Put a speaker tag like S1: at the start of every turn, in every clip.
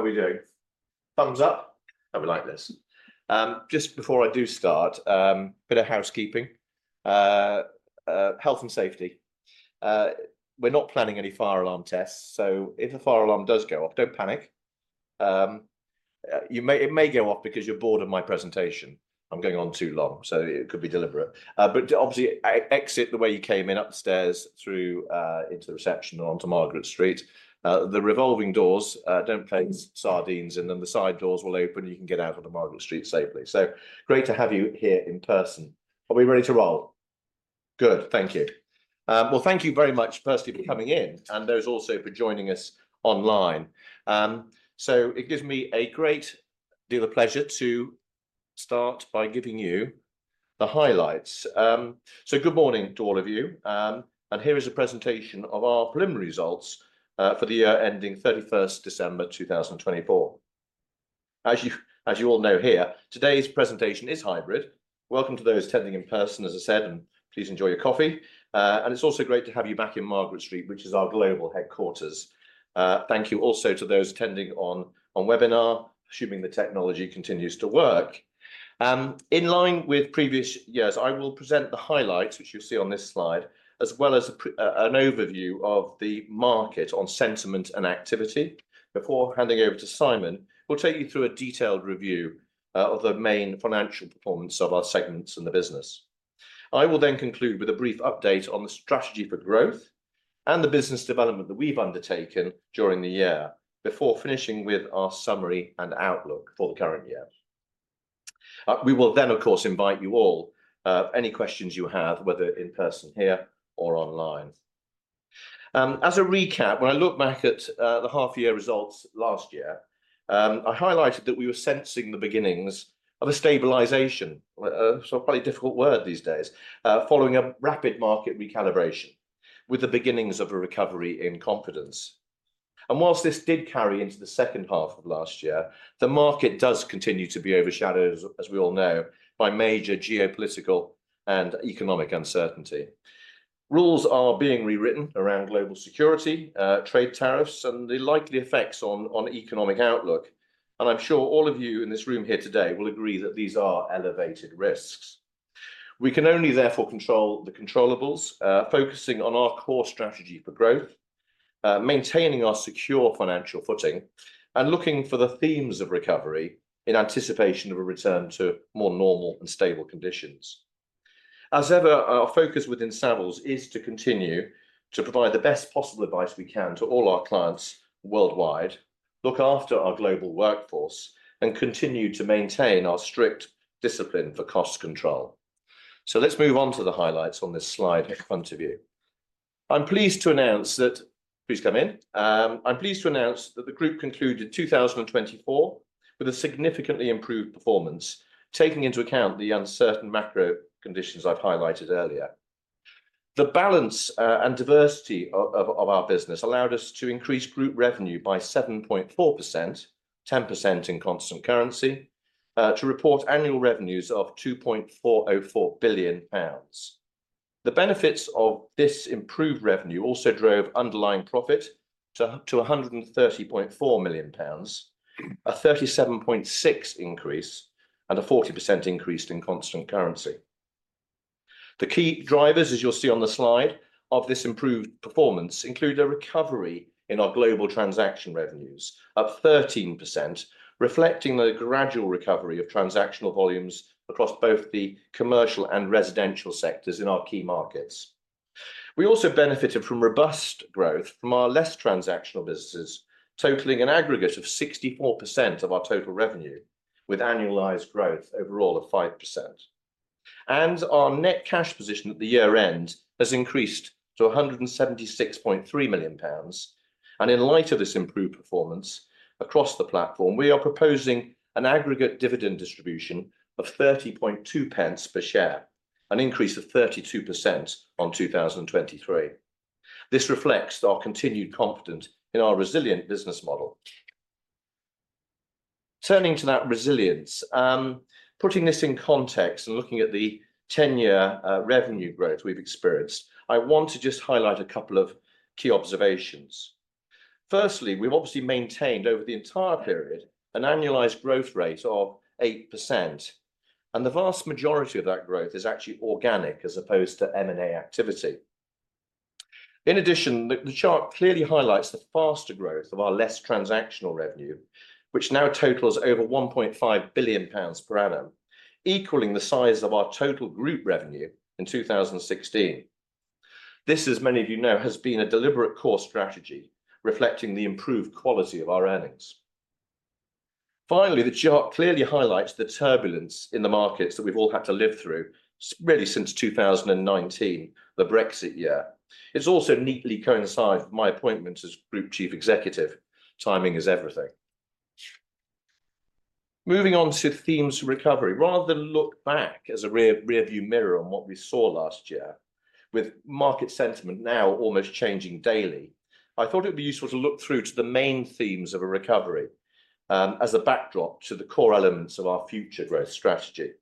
S1: How are we doing? Thumbs up. How are we like this? Just before I do start, a bit of housekeeping. Health and safety. We're not planning any fire alarm tests, so if a fire alarm does go off, don't panic. It may go off because you're bored of my presentation. I'm going on too long, so it could be deliberate. Obviously, exit the way you came in, upstairs through into the reception onto Margaret Street. The revolving doors, don't place sardines, and then the side doors will open, and you can get out onto Margaret Street safely. Great to have you here in person. Are we ready to roll? Good. Thank you. Thank you very much personally for coming in, and those also for joining us online. It gives me a great deal of pleasure to start by giving you the highlights. Good morning to all of you. Here is a presentation of our preliminary results for the year ending 31 December 2024. As you all know here, today's presentation is hybrid. Welcome to those attending in person, as I said, and please enjoy your coffee. It is also great to have you back in Margaret Street, which is our global headquarters. Thank you also to those attending on webinar, assuming the technology continues to work. In line with previous years, I will present the highlights, which you will see on this slide, as well as an overview of the market on sentiment and activity. Before handing over to Simon, we will take you through a detailed review of the main financial performance of our segments and the business. I will then conclude with a brief update on the strategy for growth and the business development that we've undertaken during the year before finishing with our summary and outlook for the current year. We will then, of course, invite you all, any questions you have, whether in person here or online. As a recap, when I look back at the half-year results last year, I highlighted that we were sensing the beginnings of a stabilization, a probably difficult word these days, following a rapid market recalibration with the beginnings of a recovery in confidence. Whilst this did carry into the second half of last year, the market does continue to be overshadowed, as we all know, by major geopolitical and economic uncertainty. Rules are being rewritten around global security, trade tariffs, and the likely effects on economic outlook. I'm sure all of you in this room here today will agree that these are elevated risks. We can only therefore control the controllables by focusing on our core strategy for growth, maintaining our secure financial footing, and looking for the themes of recovery in anticipation of a return to more normal and stable conditions. As ever, our focus within Savills is to continue to provide the best possible advice we can to all our clients worldwide, look after our global workforce, and continue to maintain our strict discipline for cost control. Let's move on to the highlights on this slide in front of you. I'm pleased to announce that the group concluded 2024 with a significantly improved performance, taking into account the uncertain macro conditions I've highlighted earlier. The balance and diversity of our business allowed us to increase group revenue by 7.4%, 10% in constant currency, to report annual revenues of 2.404 billion pounds. The benefits of this improved revenue also drove underlying profit to 130.4 million pounds, a 37.6% increase, and a 40% increase in constant currency. The key drivers, as you'll see on the slide of this improved performance, include a recovery in our global transaction revenues of 13%, reflecting the gradual recovery of transactional volumes across both the commercial and residential sectors in our key markets. We also benefited from robust growth from our less transactional businesses, totaling an aggregate of 64% of our total revenue, with annualized growth overall of 5%. Our net cash position at the year-end has increased to 176.3 million pounds. In light of this improved performance across the platform, we are proposing an aggregate dividend distribution of 0.32 per share, an increase of 32% on 2023. This reflects our continued confidence in our resilient business model. Turning to that resilience, putting this in context and looking at the 10-year revenue growth we have experienced, I want to just highlight a couple of key observations. Firstly, we have obviously maintained over the entire period an annualized growth rate of 8%. The vast majority of that growth is actually organic as opposed to M&A activity. In addition, the chart clearly highlights the faster growth of our less transactional revenue, which now totals over 1.5 billion pounds per annum, equaling the size of our total group revenue in 2016. This, as many of you know, has been a deliberate core strategy, reflecting the improved quality of our earnings. Finally, the chart clearly highlights the turbulence in the markets that we've all had to live through really since 2019, the Brexit year. It's also neatly coincided with my appointment as Group Chief Executive. Timing is everything. Moving on to themes for recovery, rather than look back as a rearview mirror on what we saw last year, with market sentiment now almost changing daily, I thought it would be useful to look through to the main themes of a recovery as a backdrop to the core elements of our future growth strategy.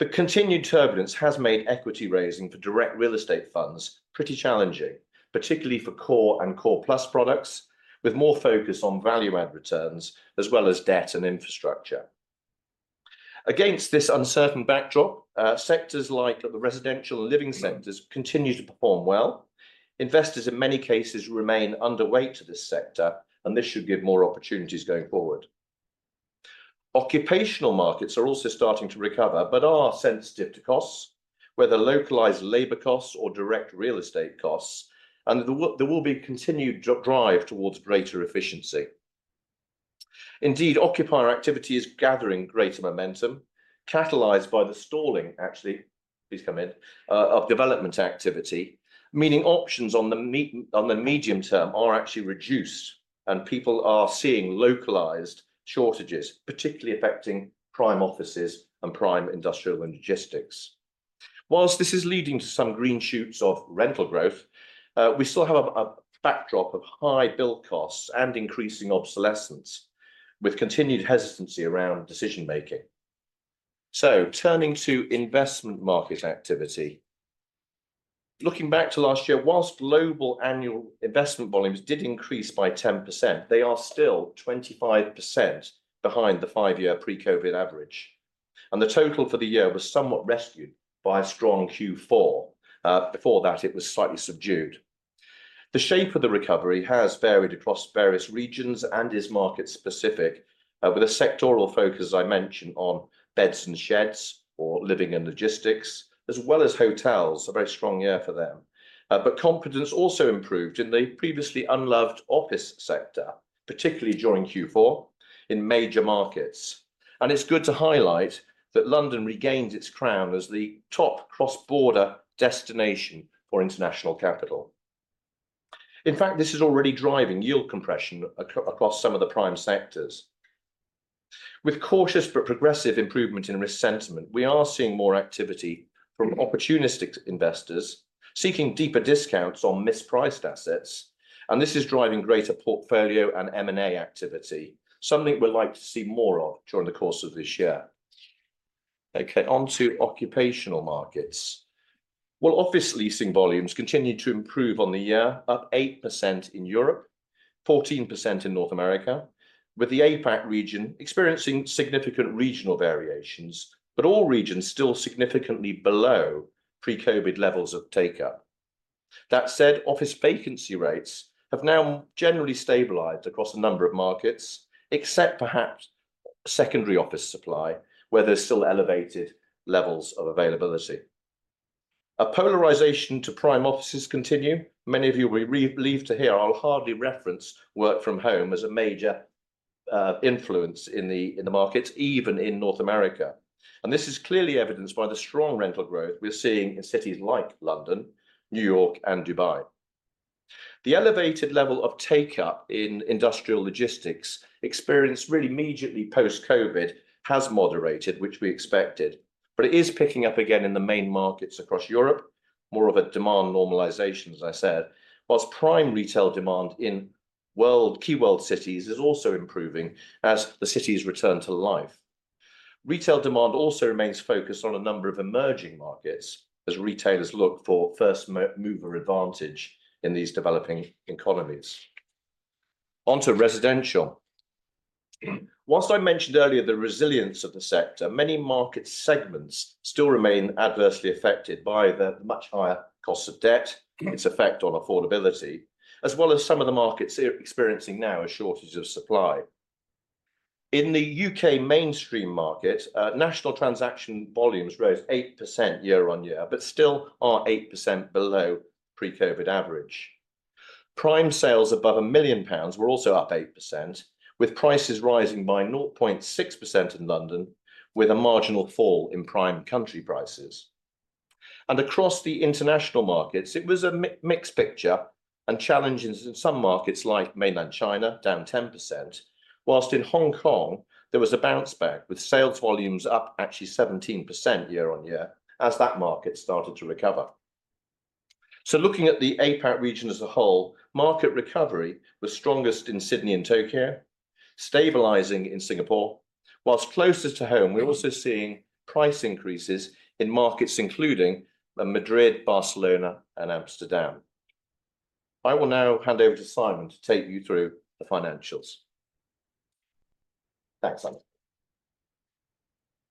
S1: The continued turbulence has made equity raising for direct real estate funds pretty challenging, particularly for core and core plus products, with more focus on value-add returns as well as debt and infrastructure. Against this uncertain backdrop, sectors like the residential and living sectors continue to perform well. Investors, in many cases, remain underweight to this sector, and this should give more opportunities going forward. Occupational markets are also starting to recover but are sensitive to costs, whether localized labor costs or direct real estate costs, and there will be a continued drive towards greater efficiency. Indeed, occupier activity is gathering greater momentum, catalyzed by the stalling, actually, please come in, of development activity, meaning options on the medium term are actually reduced, and people are seeing localized shortages, particularly affecting prime offices and prime industrial and logistics. Whilst this is leading to some green shoots of rental growth, we still have a backdrop of high bill costs and increasing obsolescence, with continued hesitancy around decision-making. Turning to investment market activity, looking back to last year, whilst global annual investment volumes did increase by 10%, they are still 25% behind the five-year pre-COVID average. The total for the year was somewhat rescued by a strong Q4. Before that, it was slightly subdued. The shape of the recovery has varied across various regions and is market-specific, with a sectoral focus, as I mentioned, on beds and sheds or living and logistics, as well as hotels, a very strong year for them. Confidence also improved in the previously unloved office sector, particularly during Q4 in major markets. It is good to highlight that London regained its crown as the top cross-border destination for international capital. In fact, this is already driving yield compression across some of the prime sectors. With cautious but progressive improvement in risk sentiment, we are seeing more activity from opportunistic investors seeking deeper discounts on mispriced assets. This is driving greater portfolio and M&A activity, something we'd like to see more of during the course of this year. Okay, on to occupational markets. Obviously, leasing volumes continue to improve on the year, up 8% in Europe, 14% in North America, with the APAC region experiencing significant regional variations, but all regions still significantly below pre-COVID levels of take-up. That said, office vacancy rates have now generally stabilized across a number of markets, except perhaps secondary office supply, where there's still elevated levels of availability. Polarization to prime offices continue. Many of you will be relieved to hear I'll hardly reference work from home as a major influence in the markets, even in North America. This is clearly evidenced by the strong rental growth we're seeing in cities like London, New York, and Dubai. The elevated level of take-up in industrial logistics experienced really immediately post-COVID has moderated, which we expected. It is picking up again in the main markets across Europe, more of a demand normalization, as I said, whilst prime retail demand in key world cities is also improving as the cities return to life. Retail demand also remains focused on a number of emerging markets as retailers look for first-mover advantage in these developing economies. Onto residential. Whilst I mentioned earlier the resilience of the sector, many market segments still remain adversely affected by the much higher cost of debt, its effect on affordability, as well as some of the markets experiencing now a shortage of supply. In the U.K. mainstream market, national transaction volumes rose 8% year-on-year, but still are 8% below pre-COVID average. Prime sales above 1 million pounds were also up 8%, with prices rising by 0.6% in London, with a marginal fall in prime country prices. Across the international markets, it was a mixed picture and challenging in some markets like mainland China, down 10%, whilst in Hong Kong, there was a bounce back with sales volumes up actually 17% year-on-year as that market started to recover. Looking at the APAC region as a whole, market recovery was strongest in Sydney and Tokyo, stabilizing in Singapore. Closest to home, we're also seeing price increases in markets including Madrid, Barcelona, and Amsterdam. I will now hand over to Simon to take you through the financials. Thanks, Simon.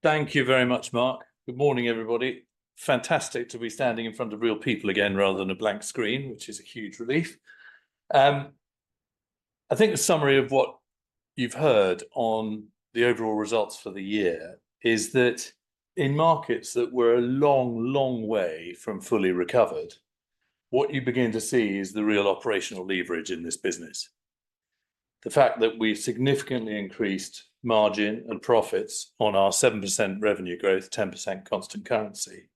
S2: Thank you very much, Mark. Good morning, everybody. Fantastic to be standing in front of real people again rather than a blank screen, which is a huge relief. I think the summary of what you've heard on the overall results for the year is that in markets that were a long, long way from fully recovered, what you begin to see is the real operational leverage in this business. The fact that we've significantly increased margin and profits on our 7% revenue growth, 10% constant currency.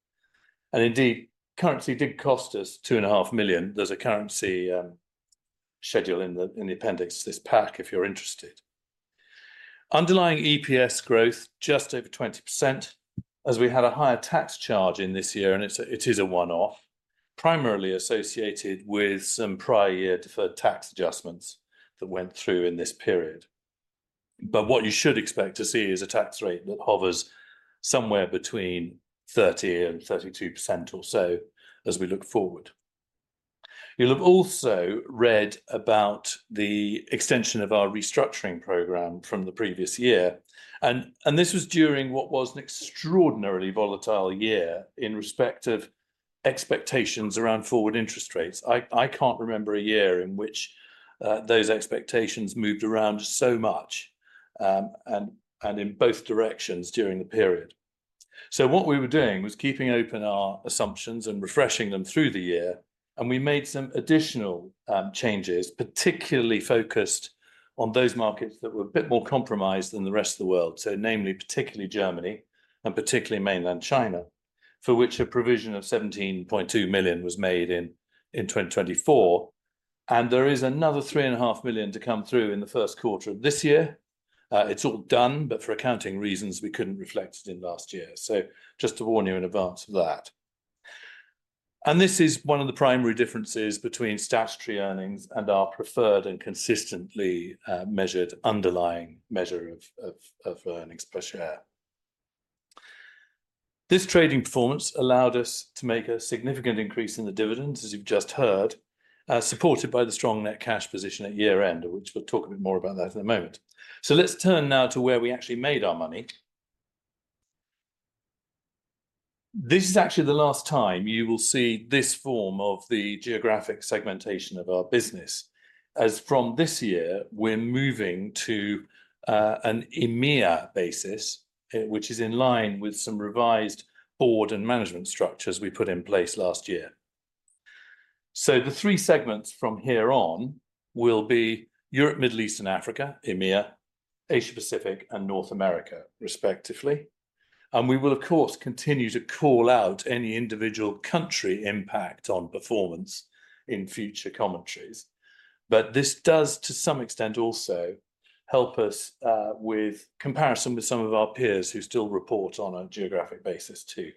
S2: Currency did cost us 2.5 million. There's a currency schedule in the appendix to this pack if you're interested. Underlying EPS growth just over 20% as we had a higher tax charge in this year, and it is a one-off, primarily associated with some prior year deferred tax adjustments that went through in this period. What you should expect to see is a tax rate that hovers somewhere between 30% and 32% or so as we look forward. You'll have also read about the extension of our restructuring program from the previous year. This was during what was an extraordinarily volatile year in respect of expectations around forward interest rates. I can't remember a year in which those expectations moved around so much and in both directions during the period. What we were doing was keeping open our assumptions and refreshing them through the year. We made some additional changes, particularly focused on those markets that were a bit more compromised than the rest of the world, namely particularly Germany and particularly mainland China, for which a provision of 17.2 million was made in 2024. There is another 3.5 million to come through in the first quarter of this year. It's all done, but for accounting reasons, we couldn't reflect it in last year. Just to warn you in advance of that. This is one of the primary differences between statutory earnings and our preferred and consistently measured underlying measure of earnings per share. This trading performance allowed us to make a significant increase in the dividends, as you've just heard, supported by the strong net cash position at year-end, which we'll talk a bit more about in a moment. Let's turn now to where we actually made our money. This is actually the last time you will see this form of the geographic segmentation of our business. As from this year, we're moving to an EMEA basis, which is in line with some revised board and management structures we put in place last year. The three segments from here on will be Europe, Middle East, and Africa, EMEA, Asia-Pacific, and North America, respectively. We will, of course, continue to call out any individual country impact on performance in future commentaries. This does, to some extent, also help us with comparison with some of our peers who still report on a geographic basis too.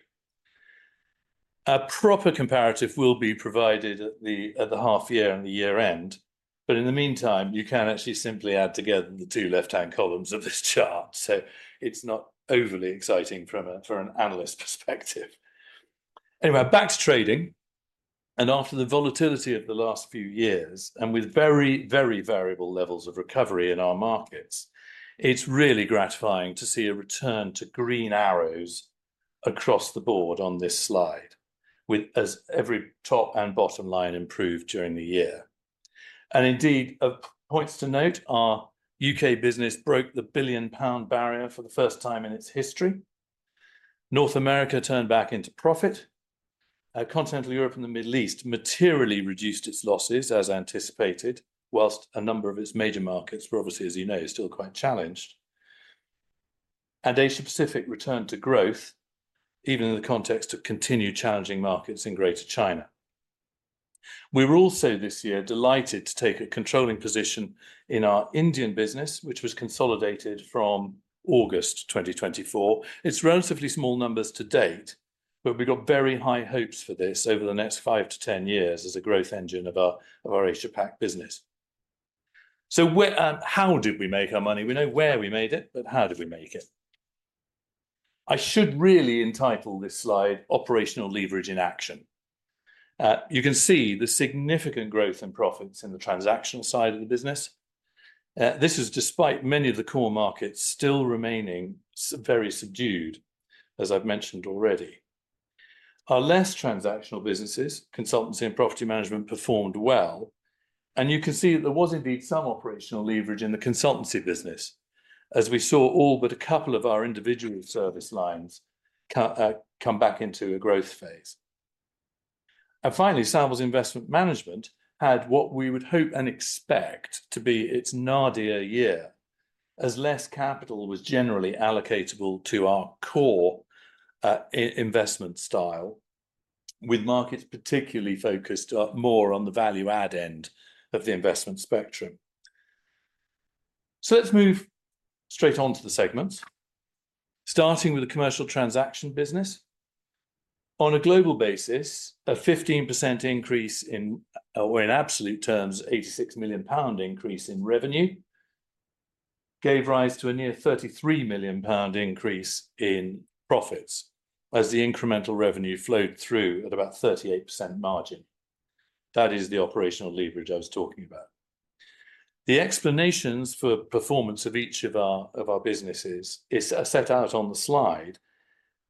S2: A proper comparative will be provided at the half year and the year-end. In the meantime, you can actually simply add together the two left-hand columns of this chart. It is not overly exciting from an analyst perspective. Anyway, back to trading. After the volatility of the last few years and with very, very variable levels of recovery in our markets, it is really gratifying to see a return to green arrows across the board on this slide, with every top and bottom line improved during the year. Indeed, points to note, our U.K. business broke the 1 billion pound barrier for the first time in its history. North America turned back into profit. Continental Europe and the Middle East materially reduced its losses, as anticipated, whilst a number of its major markets were obviously, as you know, still quite challenged. Asia-Pacific returned to growth, even in the context of continued challenging markets in Greater China. We were also this year delighted to take a controlling position in our Indian business, which was consolidated from August 2024. It is relatively small numbers to date, but we got very high hopes for this over the next five to ten years as a growth engine of our Asia-Pac business. How did we make our money? We know where we made it, but how did we make it? I should really entitle this slide "Operational Leverage in Action." You can see the significant growth in profits in the transactional side of the business. This is despite many of the core markets still remaining very subdued, as I've mentioned already. Our less transactional businesses, consultancy and property management, performed well. You can see that there was indeed some operational leverage in the consultancy business, as we saw all but a couple of our individual service lines come back into a growth phase. Finally, Savills Investment Management had what we would hope and expect to be its nadir year, as less capital was generally allocatable to our core investment style, with markets particularly focused more on the value-add end of the investment spectrum. Let's move straight on to the segments, starting with the commercial transaction business. On a global basis, a 15% increase in, or in absolute terms, a 86 million pound increase in revenue gave rise to a near 33 million pound increase in profits as the incremental revenue flowed through at about 38% margin. That is the operational leverage I was talking about. The explanations for performance of each of our businesses are set out on the slide,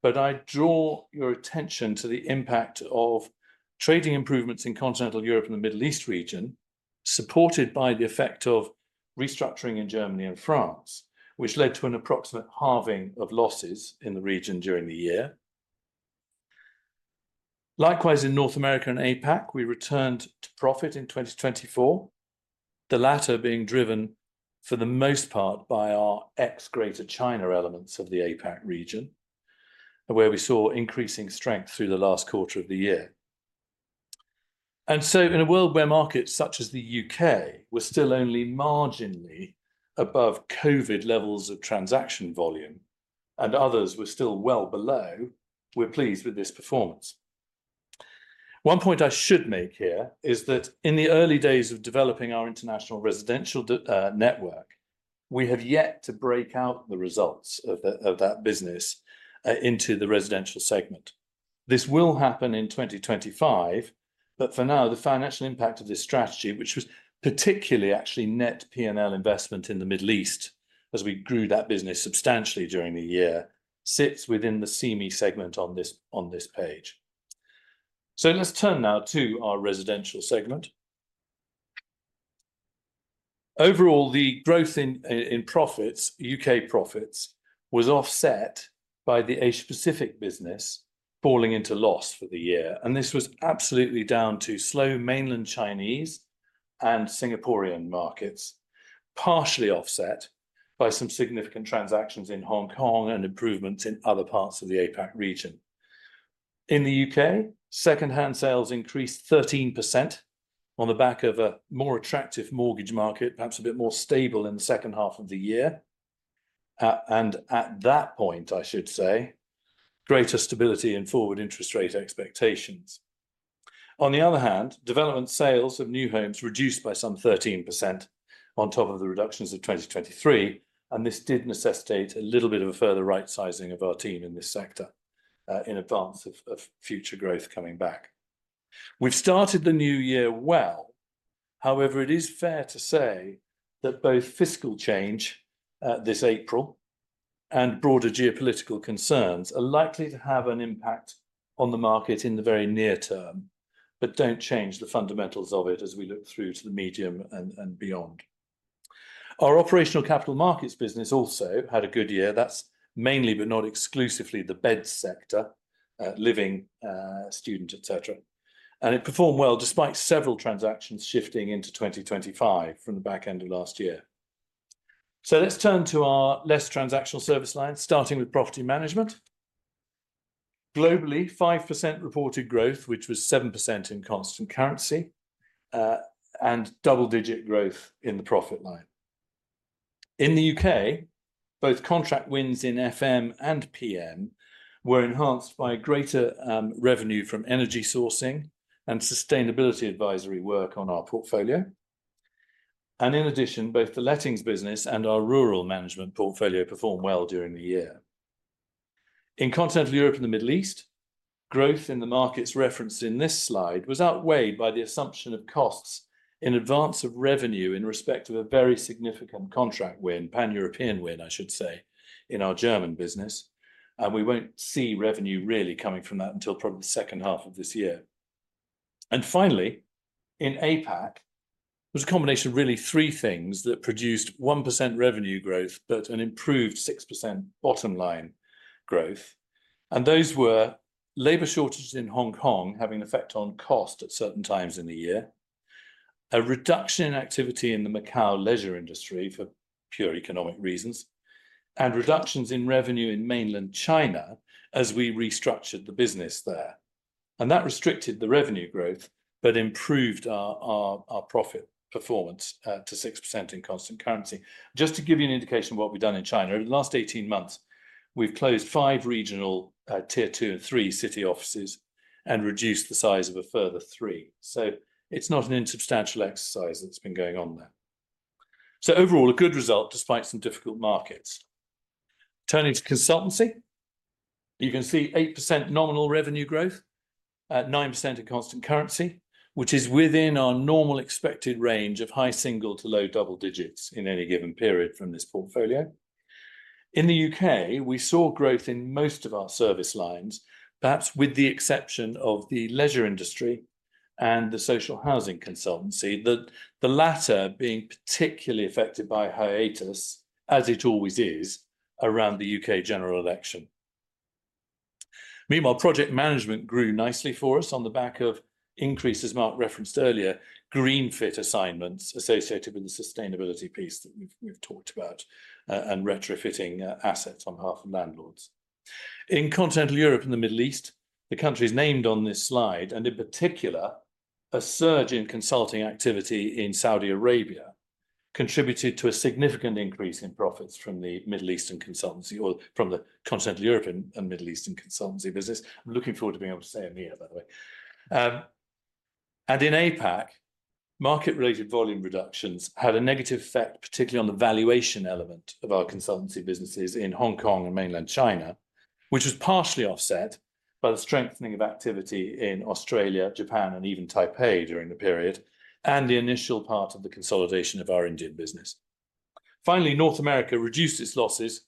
S2: but I draw your attention to the impact of trading improvements in continental Europe and the Middle East region, supported by the effect of restructuring in Germany and France, which led to an approximate halving of losses in the region during the year. Likewise, in North America and APAC, we returned to profit in 2024, the latter being driven for the most part by our ex-Greater China elements of the APAC region, where we saw increasing strength through the last quarter of the year. In a world where markets such as the U.K. were still only marginally above COVID levels of transaction volume and others were still well below, we're pleased with this performance. One point I should make here is that in the early days of developing our international residential network, we have yet to break out the results of that business into the residential segment. This will happen in 2025, but for now, the financial impact of this strategy, which was particularly actually net P&L investment in the Middle East as we grew that business substantially during the year, sits within the CME segment on this page. Let's turn now to our residential segment. Overall, the growth in profits, U.K. profits, was offset by the Asia-Pacific business falling into loss for the year. This was absolutely down to slow mainland Chinese and Singaporean markets, partially offset by some significant transactions in Hong Kong and improvements in other parts of the APAC region. In the U.K., second-hand sales increased 13% on the back of a more attractive mortgage market, perhaps a bit more stable in the second half of the year. At that point, I should say, greater stability in forward interest rate expectations. On the other hand, development sales of new homes reduced by some 13% on top of the reductions of 2023. This did necessitate a little bit of a further right-sizing of our team in this sector in advance of future growth coming back. We've started the new year well. However, it is fair to say that both fiscal change this April and broader geopolitical concerns are likely to have an impact on the market in the very near term, but do not change the fundamentals of it as we look through to the medium and beyond. Our operational capital markets business also had a good year. That is mainly, but not exclusively, the bed sector, living, student, etc. It performed well despite several transactions shifting into 2025 from the back end of last year. Let us turn to our less transactional service line, starting with property management. Globally, 5% reported growth, which was 7% in constant currency, and double-digit growth in the profit line. In the U.K., both contract wins in FM and PM were enhanced by greater revenue from energy sourcing and sustainability advisory work on our portfolio. In addition, both the lettings business and our rural management portfolio performed well during the year. In continental Europe and the Middle East, growth in the markets referenced in this slide was outweighed by the assumption of costs in advance of revenue in respect of a very significant contract win, pan-European win, I should say, in our German business. We will not see revenue really coming from that until probably the second half of this year. Finally, in APAC, there was a combination of really three things that produced 1% revenue growth, but an improved 6% bottom line growth. Those were labor shortages in Hong Kong having an effect on cost at certain times in the year, a reduction in activity in the Macau leisure industry for pure economic reasons, and reductions in revenue in mainland China as we restructured the business there. That restricted the revenue growth, but improved our profit performance to 6% in constant currency. Just to give you an indication of what we've done in China, over the last 18 months, we've closed five regional tier two and three city offices and reduced the size of a further three. It is not an insubstantial exercise that's been going on there. Overall, a good result despite some difficult markets. Turning to consultancy, you can see 8% nominal revenue growth, 9% in constant currency, which is within our normal expected range of high single to low double digits in any given period from this portfolio. In the U.K., we saw growth in most of our service lines, perhaps with the exception of the leisure industry and the social housing consultancy, the latter being particularly affected by hiatus, as it always is, around the U.K. general election. Meanwhile, project management grew nicely for us on the back of increases, Mark referenced earlier, green fit assignments associated with the sustainability piece that we've talked about and retrofitting assets on behalf of landlords. In continental Europe and the Middle East, the countries named on this slide, and in particular, a surge in consulting activity in Saudi Arabia contributed to a significant increase in profits from the Middle Eastern consultancy or from the continental European and Middle Eastern consultancy business. I'm looking forward to being able to say EMEA, by the way. In APAC, market-related volume reductions had a negative effect, particularly on the valuation element of our consultancy businesses in Hong Kong and mainland China, which was partially offset by the strengthening of activity in Australia, Japan, and even Taipei during the period, and the initial part of the consolidation of our Indian business. Finally, North America reduced its losses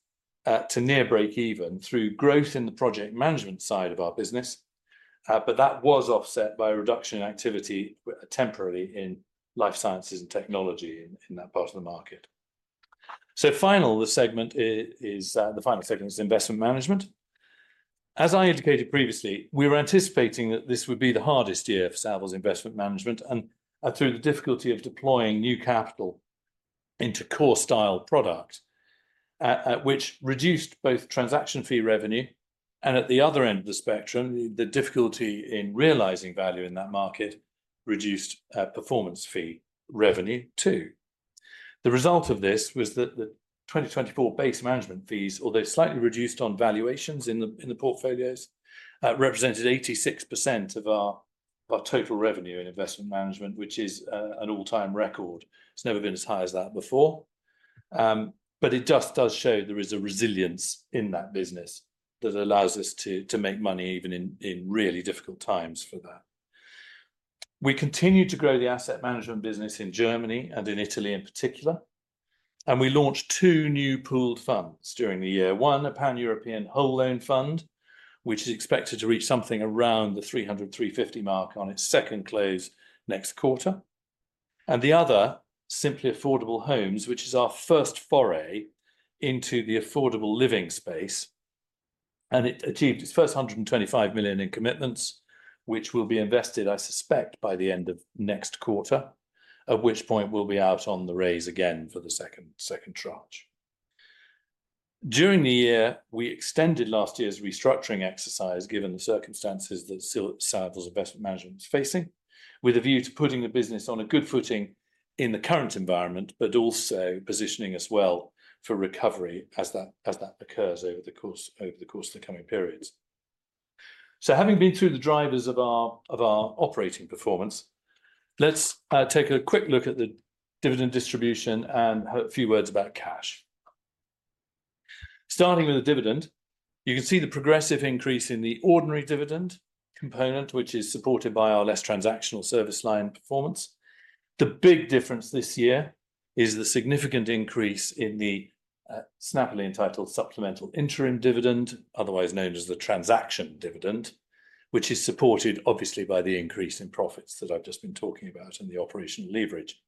S2: to near break-even through growth in the project management side of our business, but that was offset by a reduction in activity temporarily in life sciences and technology in that part of the market. The final segment is investment management. As I indicated previously, we were anticipating that this would be the hardest year for Savills Investment Management and through the difficulty of deploying new capital into core-style products, which reduced both transaction fee revenue. At the other end of the spectrum, the difficulty in realizing value in that market reduced performance fee revenue too. The result of this was that the 2024 base management fees, although slightly reduced on valuations in the portfolios, represented 86% of our total revenue in investment management, which is an all-time record. It's never been as high as that before. It just does show there is a resilience in that business that allows us to make money even in really difficult times for that. We continue to grow the asset management business in Germany and in Italy in particular. We launched two new pooled funds during the year. One, a pan-European whole loan fund, which is expected to reach something around the 300 million-350 million mark on its second close next quarter. The other, Simply Affordable Homes, is our first foray into the affordable living space. It achieved its first 125 million in commitments, which will be invested, I suspect, by the end of next quarter, at which point we'll be out on the raise again for the second tranche. During the year, we extended last year's restructuring exercise given the circumstances that Savills Investment Management was facing, with a view to putting the business on a good footing in the current environment, but also positioning us well for recovery as that occurs over the course of the coming periods. Having been through the drivers of our operating performance, let's take a quick look at the dividend distribution and a few words about cash. Starting with the dividend, you can see the progressive increase in the ordinary dividend component, which is supported by our less transactional service line performance. The big difference this year is the significant increase in the supplemental interim dividend, otherwise known as the transaction dividend, which is supported obviously by the increase in profits that I've just been talking about and the operational leverage.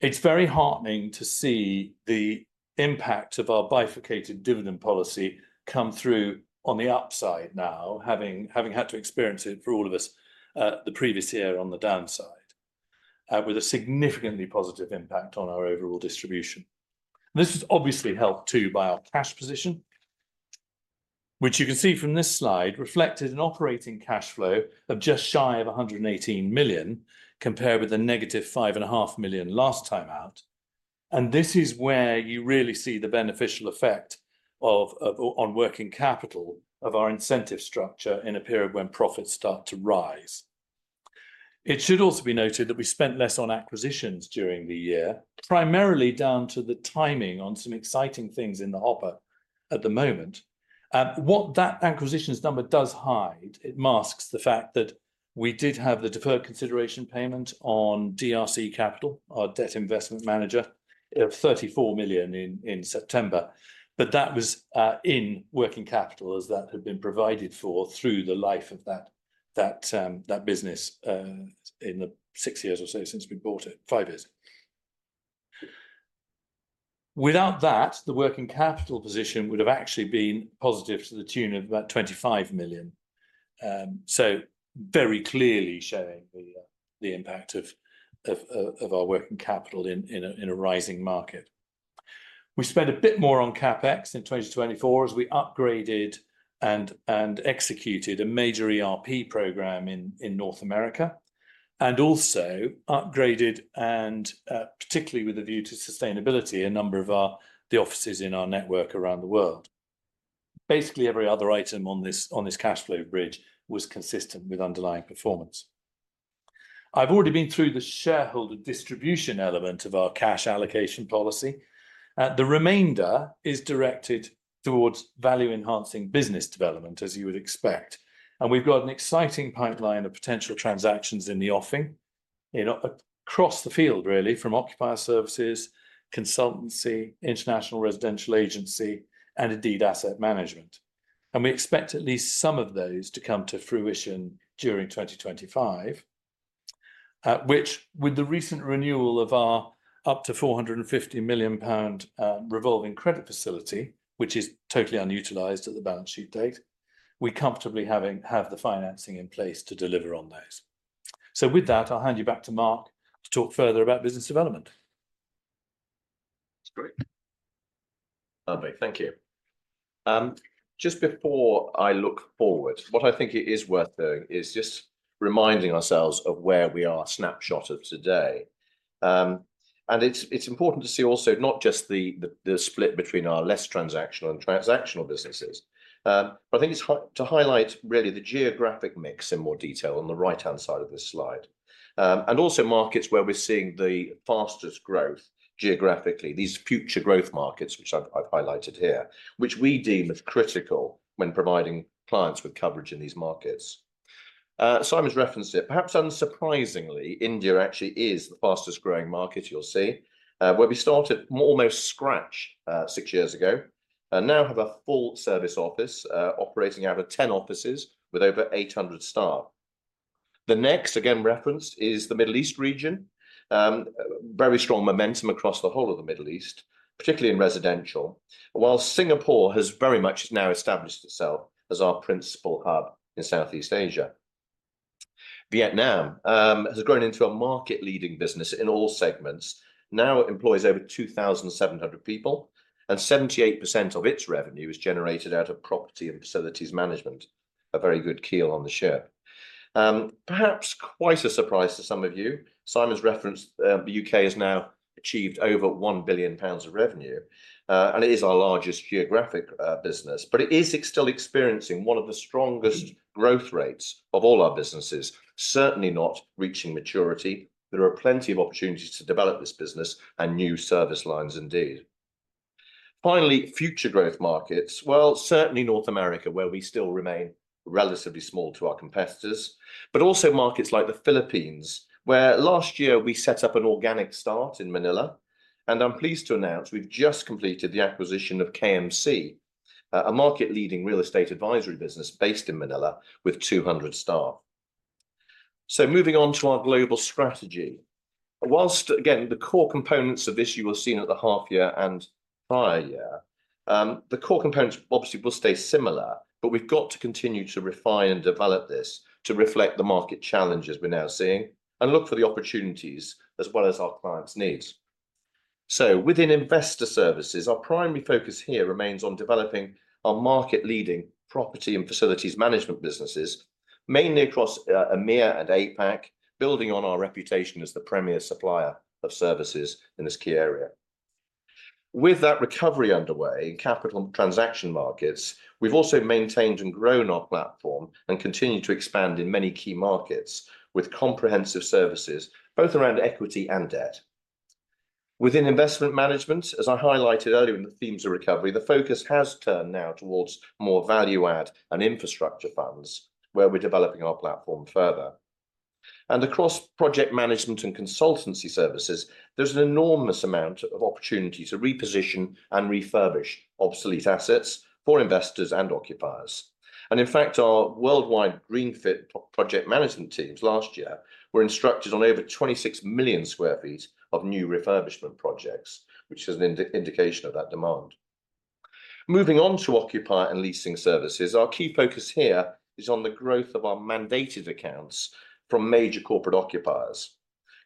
S2: It's very heartening to see the impact of our bifurcated dividend policy come through on the upside now, having had to experience it for all of us the previous year on the downside, with a significantly positive impact on our overall distribution. This was obviously helped too by our cash position, which you can see from this slide reflected in operating cash flow of just shy of 118 million compared with a negative 5.5 million last time out. This is where you really see the beneficial effect on working capital of our incentive structure in a period when profits start to rise. It should also be noted that we spent less on acquisitions during the year, primarily down to the timing on some exciting things in the hopper at the moment. What that acquisitions number does hide, it masks the fact that we did have the deferred consideration payment on DRC Capital, our debt investment manager, of 34 million in September, but that was in working capital as that had been provided for through the life of that business in the six years or so since we bought it, five years. Without that, the working capital position would have actually been positive to the tune of about 25 million. Very clearly showing the impact of our working capital in a rising market. We spent a bit more on CapEx in 2024 as we upgraded and executed a major ERP program in North America and also upgraded, and particularly with a view to sustainability, a number of the offices in our network around the world. Basically, every other item on this cash flow bridge was consistent with underlying performance. I've already been through the shareholder distribution element of our cash allocation policy. The remainder is directed towards value-enhancing business development, as you would expect. We've got an exciting pipeline of potential transactions in the offing across the field, really, from occupier services, consultancy, international residential agency, and indeed asset management. We expect at least some of those to come to fruition during 2025, which, with the recent renewal of our up to 450 million pound revolving credit facility, which is totally unutilized at the balance sheet date, we comfortably have the financing in place to deliver on those. With that, I'll hand you back to Mark to talk further about business development.
S1: That's great. Lovely, thank you. Just before I look forward, what I think it is worth doing is just reminding ourselves of where we are, snapshot of today. It's important to see also not just the split between our less transactional and transactional businesses, but I think it's to highlight really the geographic mix in more detail on the right-hand side of this slide. Also, markets where we're seeing the fastest growth geographically, these future growth markets, which I've highlighted here, which we deem as critical when providing clients with coverage in these markets. Simon's referenced it. Perhaps unsurprisingly, India actually is the fastest growing market you'll see, where we started almost scratch six years ago and now have a full service office operating out of 10 offices with over 800 staff. The next, again referenced, is the Middle East region. Very strong momentum across the whole of the Middle East, particularly in residential, while Singapore has very much now established itself as our principal hub in Southeast Asia. Vietnam has grown into a market-leading business in all segments, now employs over 2,700 people, and 78% of its revenue is generated out of property and facilities management, a very good keel on the ship. Perhaps quite a surprise to some of you, Simon's referenced, the U.K. has now achieved over 1 billion pounds of revenue, and it is our largest geographic business, but it is still experiencing one of the strongest growth rates of all our businesses, certainly not reaching maturity. There are plenty of opportunities to develop this business and new service lines indeed. Finally, future growth markets, certainly North America, where we still remain relatively small to our competitors, but also markets like the Philippines, where last year we set up an organic start in Manila. I am pleased to announce we have just completed the acquisition of KMC, a market-leading real estate advisory business based in Manila with 200 staff. Moving on to our global strategy. Whilst, again, the core components of this you will have seen at the half year and prior year, the core components obviously will stay similar, but we have to continue to refine and develop this to reflect the market challenges we are now seeing and look for the opportunities as well as our clients' needs. Within investor services, our primary focus here remains on developing our market-leading property and facilities management businesses, mainly across EMEA and APAC, building on our reputation as the premier supplier of services in this key area. With that recovery underway in capital and transaction markets, we've also maintained and grown our platform and continued to expand in many key markets with comprehensive services, both around equity and debt. Within investment management, as I highlighted earlier in the themes of recovery, the focus has turned now towards more value-add and infrastructure funds, where we're developing our platform further. Across project management and consultancy services, there's an enormous amount of opportunity to reposition and refurbish obsolete assets for investors and occupiers. In fact, our worldwide green fit project management teams last year were instructed on over 26 million sq ft of new refurbishment projects, which is an indication of that demand. Moving on to occupier and leasing services, our key focus here is on the growth of our mandated accounts from major corporate occupiers.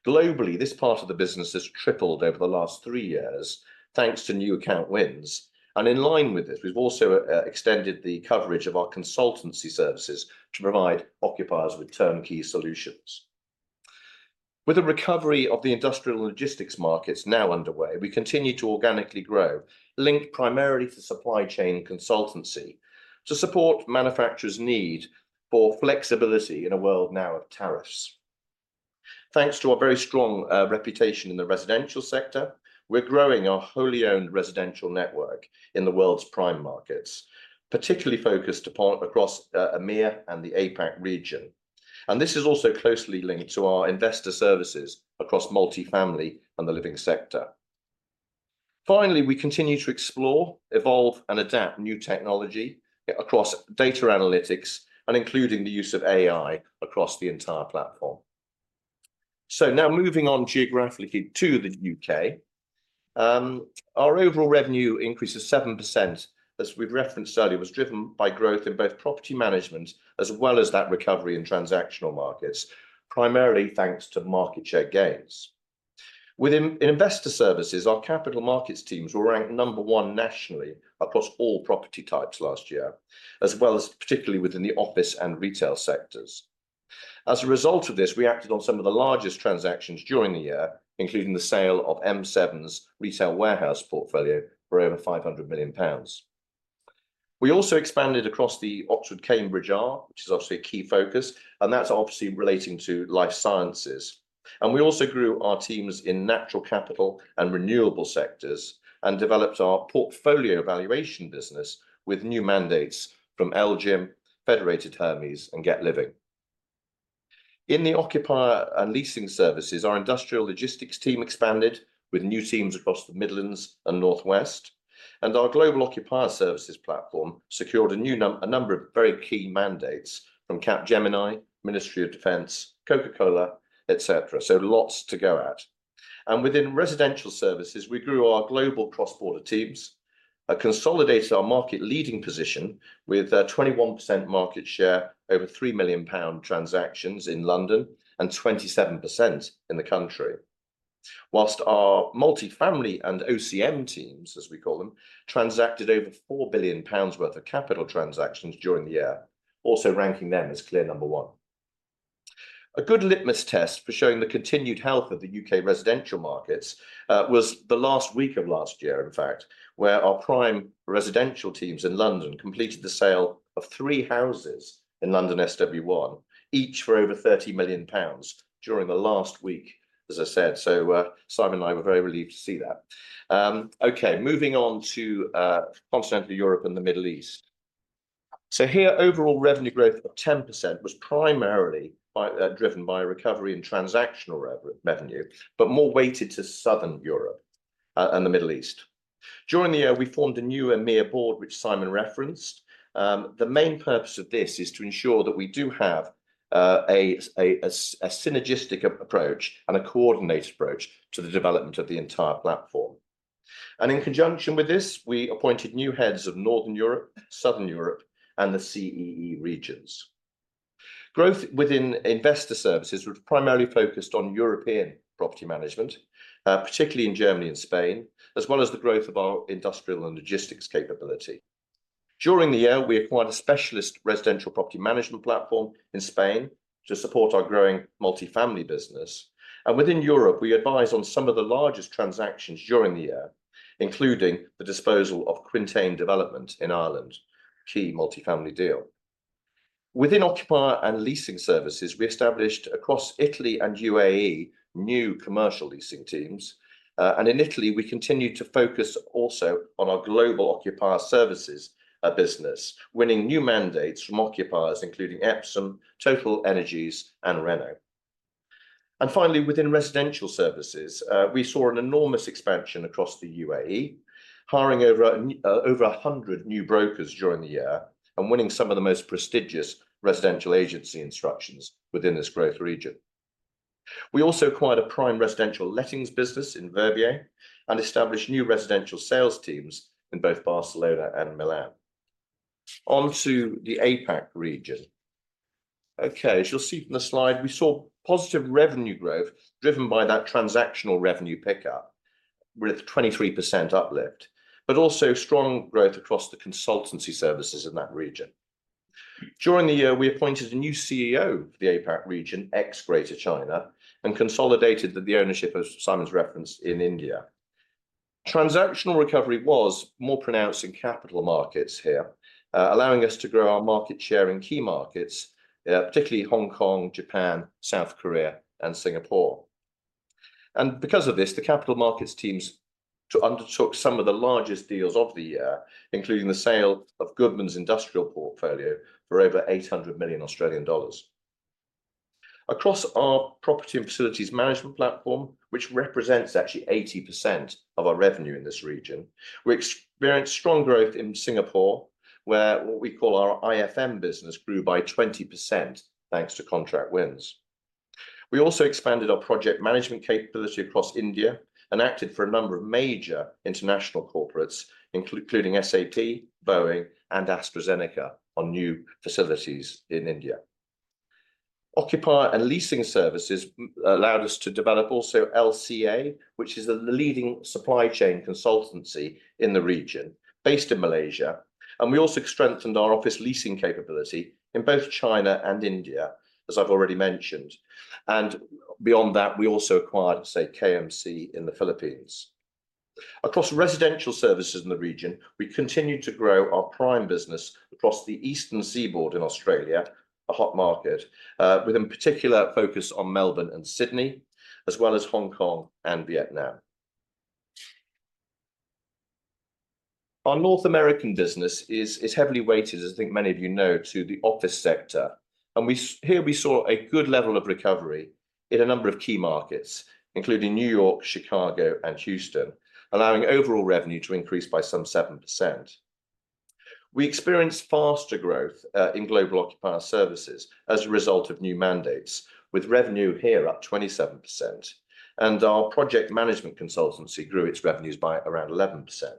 S1: Globally, this part of the business has tripled over the last three years, thanks to new account wins. In line with this, we've also extended the coverage of our consultancy services to provide occupiers with turnkey solutions. With a recovery of the industrial logistics markets now underway, we continue to organically grow, linked primarily to supply chain and consultancy to support manufacturers' need for flexibility in a world now of tariffs. Thanks to our very strong reputation in the residential sector, we're growing our wholly owned residential network in the world's prime markets, particularly focused upon across EMEA and the APAC region. This is also closely linked to our investor services across multifamily and the living sector. Finally, we continue to explore, evolve, and adapt new technology across data analytics and including the use of AI across the entire platform. Now moving on geographically to the U.K., our overall revenue increase of 7%, as we've referenced earlier, was driven by growth in both property management as well as that recovery in transactional markets, primarily thanks to market share gains. Within investor services, our capital markets teams were ranked number one nationally across all property types last year, as well as particularly within the office and retail sectors. As a result of this, we acted on some of the largest transactions during the year, including the sale of M7's retail warehouse portfolio for over 500 million pounds. We also expanded across the Oxford-Cambridge Arc, which is obviously a key focus, and that's obviously relating to life sciences. We also grew our teams in natural capital and renewable sectors and developed our portfolio evaluation business with new mandates from Elgin, Federated Hermes, and Get Living. In the occupier and leasing services, our industrial logistics team expanded with new teams across the Midlands and Northwest, and our global occupier services platform secured a new number of very key mandates from Capgemini, Ministry of Defence, Coca-Cola, etc. Lots to go at. Within residential services, we grew our global cross-border teams, consolidated our market leading position with a 21% market share over 3 million pound transactions in London and 27% in the country, whilst our multifamily and OCM teams, as we call them, transacted over 4 billion pounds worth of capital transactions during the year, also ranking them as clear number one. A good litmus test for showing the continued health of the U.K. residential markets was the last week of last year, in fact, where our prime residential teams in London completed the sale of three houses in London SW1, each for over 30 million pounds during the last week, as I said. Simon and I were very relieved to see that. Okay, moving on to continental Europe and the Middle East. Overall revenue growth of 10% was primarily driven by recovery in transactional revenue, but more weighted to southern Europe and the Middle East. During the year, we formed a new EMEA board, which Simon referenced. The main purpose of this is to ensure that we do have a synergistic approach and a coordinated approach to the development of the entire platform. In conjunction with this, we appointed new heads of Northern Europe, Southern Europe, and the CEE regions. Growth within investor services was primarily focused on European property management, particularly in Germany and Spain, as well as the growth of our industrial and logistics capability. During the year, we acquired a specialist residential property management platform in Spain to support our growing multifamily business. Within Europe, we advised on some of the largest transactions during the year, including the disposal of Quintane Development in Ireland, a key multifamily deal. Within occupier and leasing services, we established across Italy and UAE new commercial leasing teams. In Italy, we continue to focus also on our global occupier services business, winning new mandates from occupiers including Epson, Total Energies, and Renault. Finally, within residential services, we saw an enormous expansion across the UAE, hiring over 100 new brokers during the year and winning some of the most prestigious residential agency instructions within this growth region. We also acquired a prime residential lettings business in Verbier and established new residential sales teams in both Barcelona and Milan. Onto the APAC region. Okay, as you'll see from the slide, we saw positive revenue growth driven by that transactional revenue pickup with a 23% uplift, but also strong growth across the consultancy services in that region. During the year, we appointed a new CEO for the APAC region, ex-Greater China, and consolidated the ownership of Simon's reference in India. Transactional recovery was more pronounced in capital markets here, allowing us to grow our market share in key markets, particularly Hong Kong, Japan, South Korea, and Singapore. Because of this, the capital markets teams undertook some of the largest deals of the year, including the sale of Goodman's industrial portfolio for over 800 million Australian dollars. Across our property and facilities management platform, which represents actually 80% of our revenue in this region, we experienced strong growth in Singapore, where what we call our IFM business grew by 20% thanks to contract wins. We also expanded our project management capability across India and acted for a number of major international corporates, including SAP, Boeing, and AstraZeneca on new facilities in India. Occupier and leasing services allowed us to develop also LCA, which is a leading supply chain consultancy in the region based in Malaysia. We also strengthened our office leasing capability in both China and India, as I've already mentioned. Beyond that, we also acquired KMC in the Philippines. Across residential services in the region, we continued to grow our prime business across the Eastern Seaboard in Australia, a hot market, with a particular focus on Melbourne and Sydney, as well as Hong Kong and Vietnam. Our North American business is heavily weighted, as I think many of you know, to the office sector. Here we saw a good level of recovery in a number of key markets, including New York, Chicago, and Houston, allowing overall revenue to increase by some 7%. We experienced faster growth in global occupier services as a result of new mandates, with revenue here up 27%. Our project management consultancy grew its revenues by around 11%.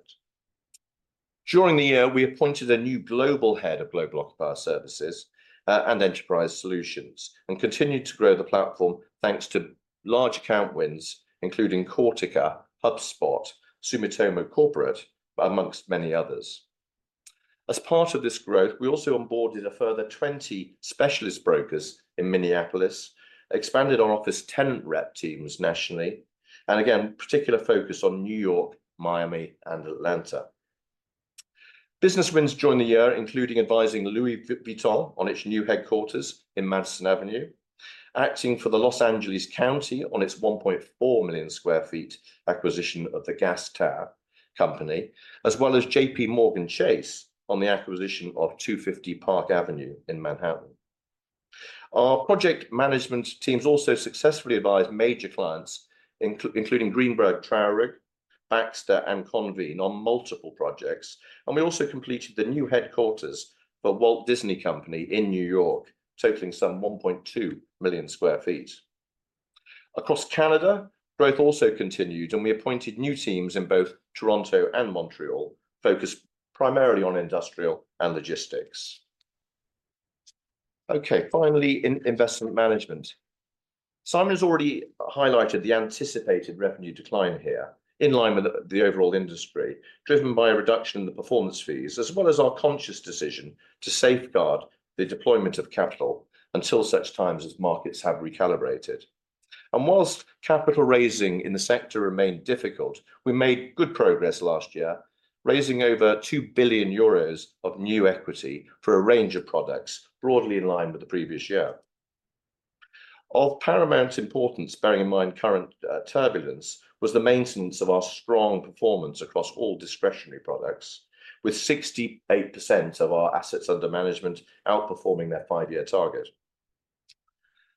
S1: During the year, we appointed a new global head of global occupier services and enterprise solutions and continued to grow the platform thanks to large account wins, including Cortica, HubSpot, Sumitomo Corporate, amongst many others. As part of this growth, we also onboarded a further 20 specialist brokers in Minneapolis, expanded our office tenant rep teams nationally, and again, particular focus on New York, Miami, and Atlanta. Business wins during the year, including advising Louis Vuitton on its new headquarters in Madison Avenue, acting for the Los Angeles County on its 1.4 million sq ft acquisition of the Gas Company Tower, as well as JPMorgan Chase on the acquisition of 250 Park Avenue in Manhattan. Our project management teams also successfully advised major clients, including Greenberg Traurig, Baxter, and Convene on multiple projects. We also completed the new headquarters for Walt Disney Company in New York, totaling some 1.2 million sq ft. Across Canada, growth also continued, and we appointed new teams in both Toronto and Montreal, focused primarily on industrial and logistics. Okay, finally, in investment management, Simon has already highlighted the anticipated revenue decline here in line with the overall industry, driven by a reduction in the performance fees, as well as our conscious decision to safeguard the deployment of capital until such times as markets have recalibrated. Whilst capital raising in the sector remained difficult, we made good progress last year, raising over 2 billion euros of new equity for a range of products broadly in line with the previous year. Of paramount importance, bearing in mind current turbulence, was the maintenance of our strong performance across all discretionary products, with 68% of our assets under management outperforming their five-year target.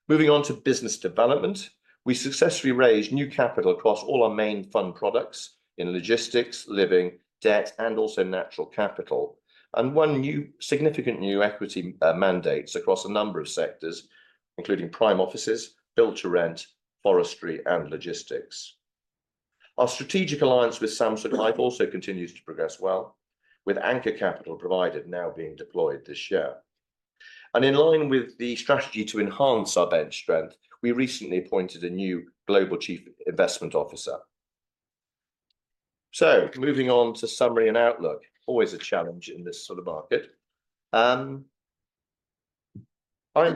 S1: Moving on to business development, we successfully raised new capital across all our main fund products in logistics, living, debt, and also natural capital, and won significant new equity mandates across a number of sectors, including prime offices, built-to-rent, forestry, and logistics. Our strategic alliance with Samsung Life also continues to progress well, with anchor capital provided now being deployed this year. In line with the strategy to enhance our bench strength, we recently appointed a new global Chief Investment Officer. Moving on to summary and outlook, always a challenge in this sort of market. I'm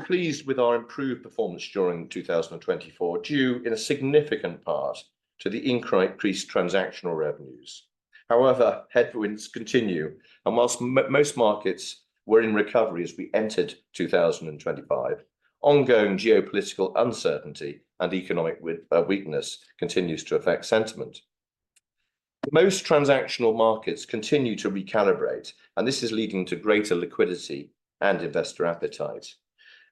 S1: pleased with our improved performance during 2024, due in a significant part to the increased transactional revenues. However, headwinds continue, and whilst most markets were in recovery as we entered 2025, ongoing geopolitical uncertainty and economic weakness continues to affect sentiment. Most transactional markets continue to recalibrate, and this is leading to greater liquidity and investor appetite.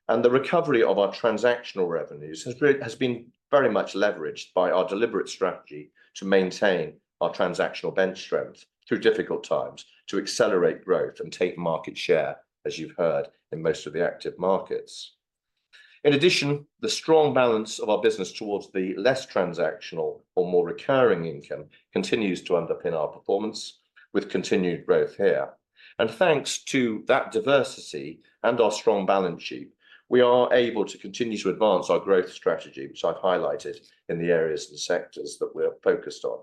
S1: The recovery of our transactional revenues has been very much leveraged by our deliberate strategy to maintain our transactional bench strength through difficult times to accelerate growth and take market share, as you've heard, in most of the active markets. In addition, the strong balance of our business towards the less transactional or more recurring income continues to underpin our performance with continued growth here. Thanks to that diversity and our strong balance sheet, we are able to continue to advance our growth strategy, which I've highlighted in the areas and sectors that we're focused on.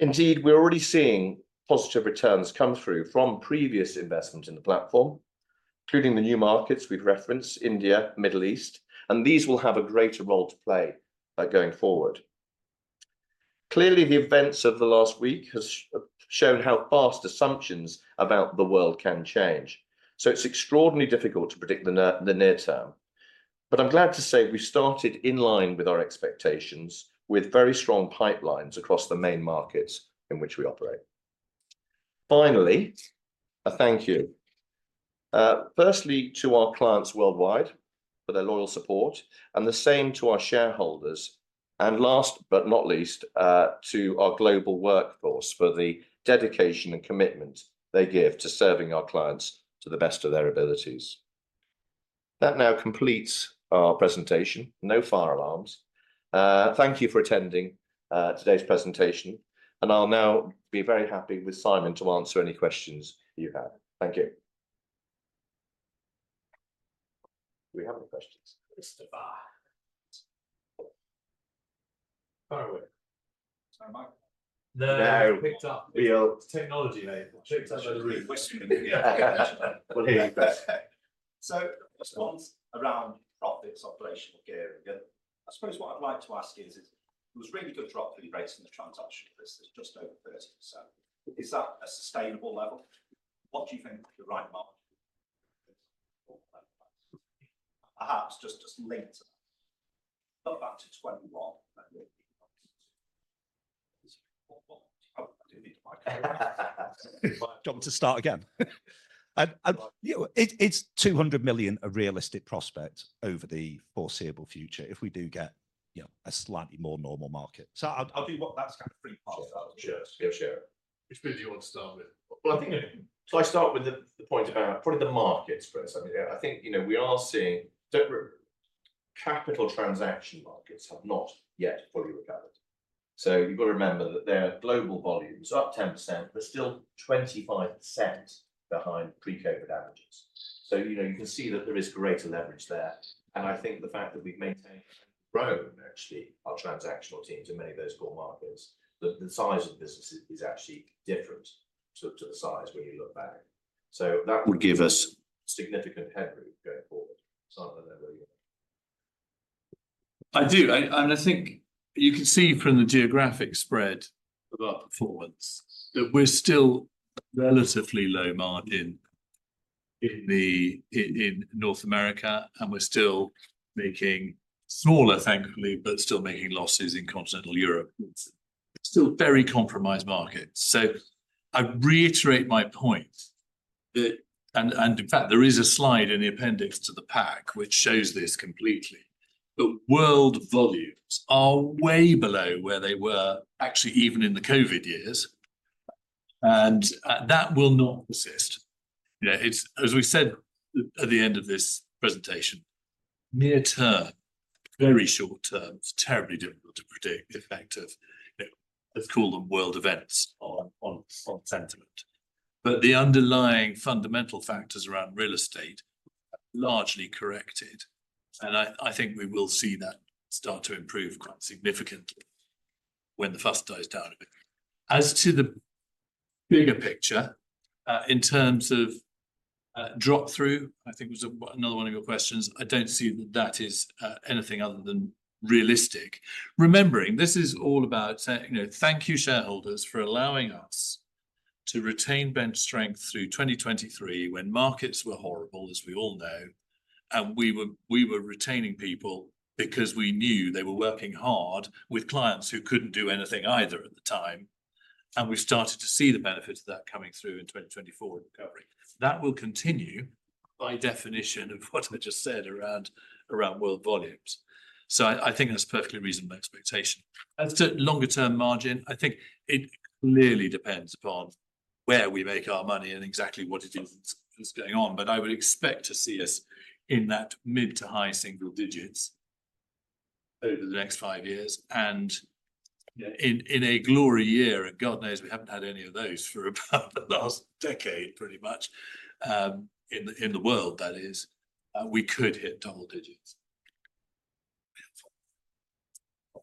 S1: Indeed, we're already seeing positive returns come through from previous investment in the platform, including the new markets we've referenced, India, Middle East, and these will have a greater role to play going forward. Clearly, the events of the last week have shown how fast assumptions about the world can change. It is extraordinarily difficult to predict the near term. I am glad to say we started in line with our expectations, with very strong pipelines across the main markets in which we operate. Finally, a thank you. Firstly, to our clients worldwide for their loyal support, and the same to our shareholders. Last but not least, to our global workforce for the dedication and commitment they give to serving our clients to the best of their abilities. That now completes our presentation. No fire alarms. Thank you for attending today's presentation. I will now be very happy with Simon to answer any questions you have. Thank you. Do we have any questions? Christopher. Sorry, Mike. No. Technology label. Just once around profits, operational gear again. I suppose what I'd like to ask is, it was really good drop in the rates in the transactional business, just over 30%. Is that a sustainable level? What do you think would be the right market? Perhaps just linked to that. Look back to 2021.
S2: I didn't mean to start again. And is $200 million a realistic prospect over the foreseeable future if we do get, you know, a slightly more normal market. That's kind of three parts. Yeah, sure. Which bit do you want to start with?
S1: I think if I start with the point about probably the markets first, I mean, I think, you know, we are seeing capital transaction markets have not yet fully recovered. You have to remember that there are global volumes up 10%, but still 25% behind pre-COVID averages. You know, you can see that there is greater leverage there. I think the fact that we've maintained and grown, actually, our transactional teams in many of those core markets, that the size of the business is actually different to the size when you look back. That would give us significant headroom going forward. Simon, I know where you're at.
S2: I do. I think you can see from the geographic spread of our performance that we're still relatively low margin in North America, and we're still making smaller, thankfully, but still making losses in continental Europe. Still very compromised markets. I reiterate my point that, in fact, there is a slide in the appendix to the PAC, which shows this completely. World volumes are way below where they were actually even in the COVID years. That will not persist. You know, it's, as we said at the end of this presentation, near term, very short term, it's terribly difficult to predict the effect of, let's call them world events on sentiment. The underlying fundamental factors around real estate have largely corrected. I think we will see that start to improve quite significantly when the fuss dies down a bit. As to the bigger picture, in terms of drop-through, I think was another one of your questions, I don't see that that is anything other than realistic. Remembering, this is all about saying, you know, thank you shareholders for allowing us to retain bench strength through 2023 when markets were horrible, as we all know. We were retaining people because we knew they were working hard with clients who could not do anything either at the time. We have started to see the benefits of that coming through in 2024 recovery. That will continue by definition of what I just said around world volumes. I think that is a perfectly reasonable expectation. As to longer-term margin, I think it clearly depends upon where we make our money and exactly what it is that is going on. I would expect to see us in that mid to high single digits over the next five years. You know, in a glory year, and God knows we have not had any of those for about the last decade, pretty much, in the world, that is, we could hit double digits.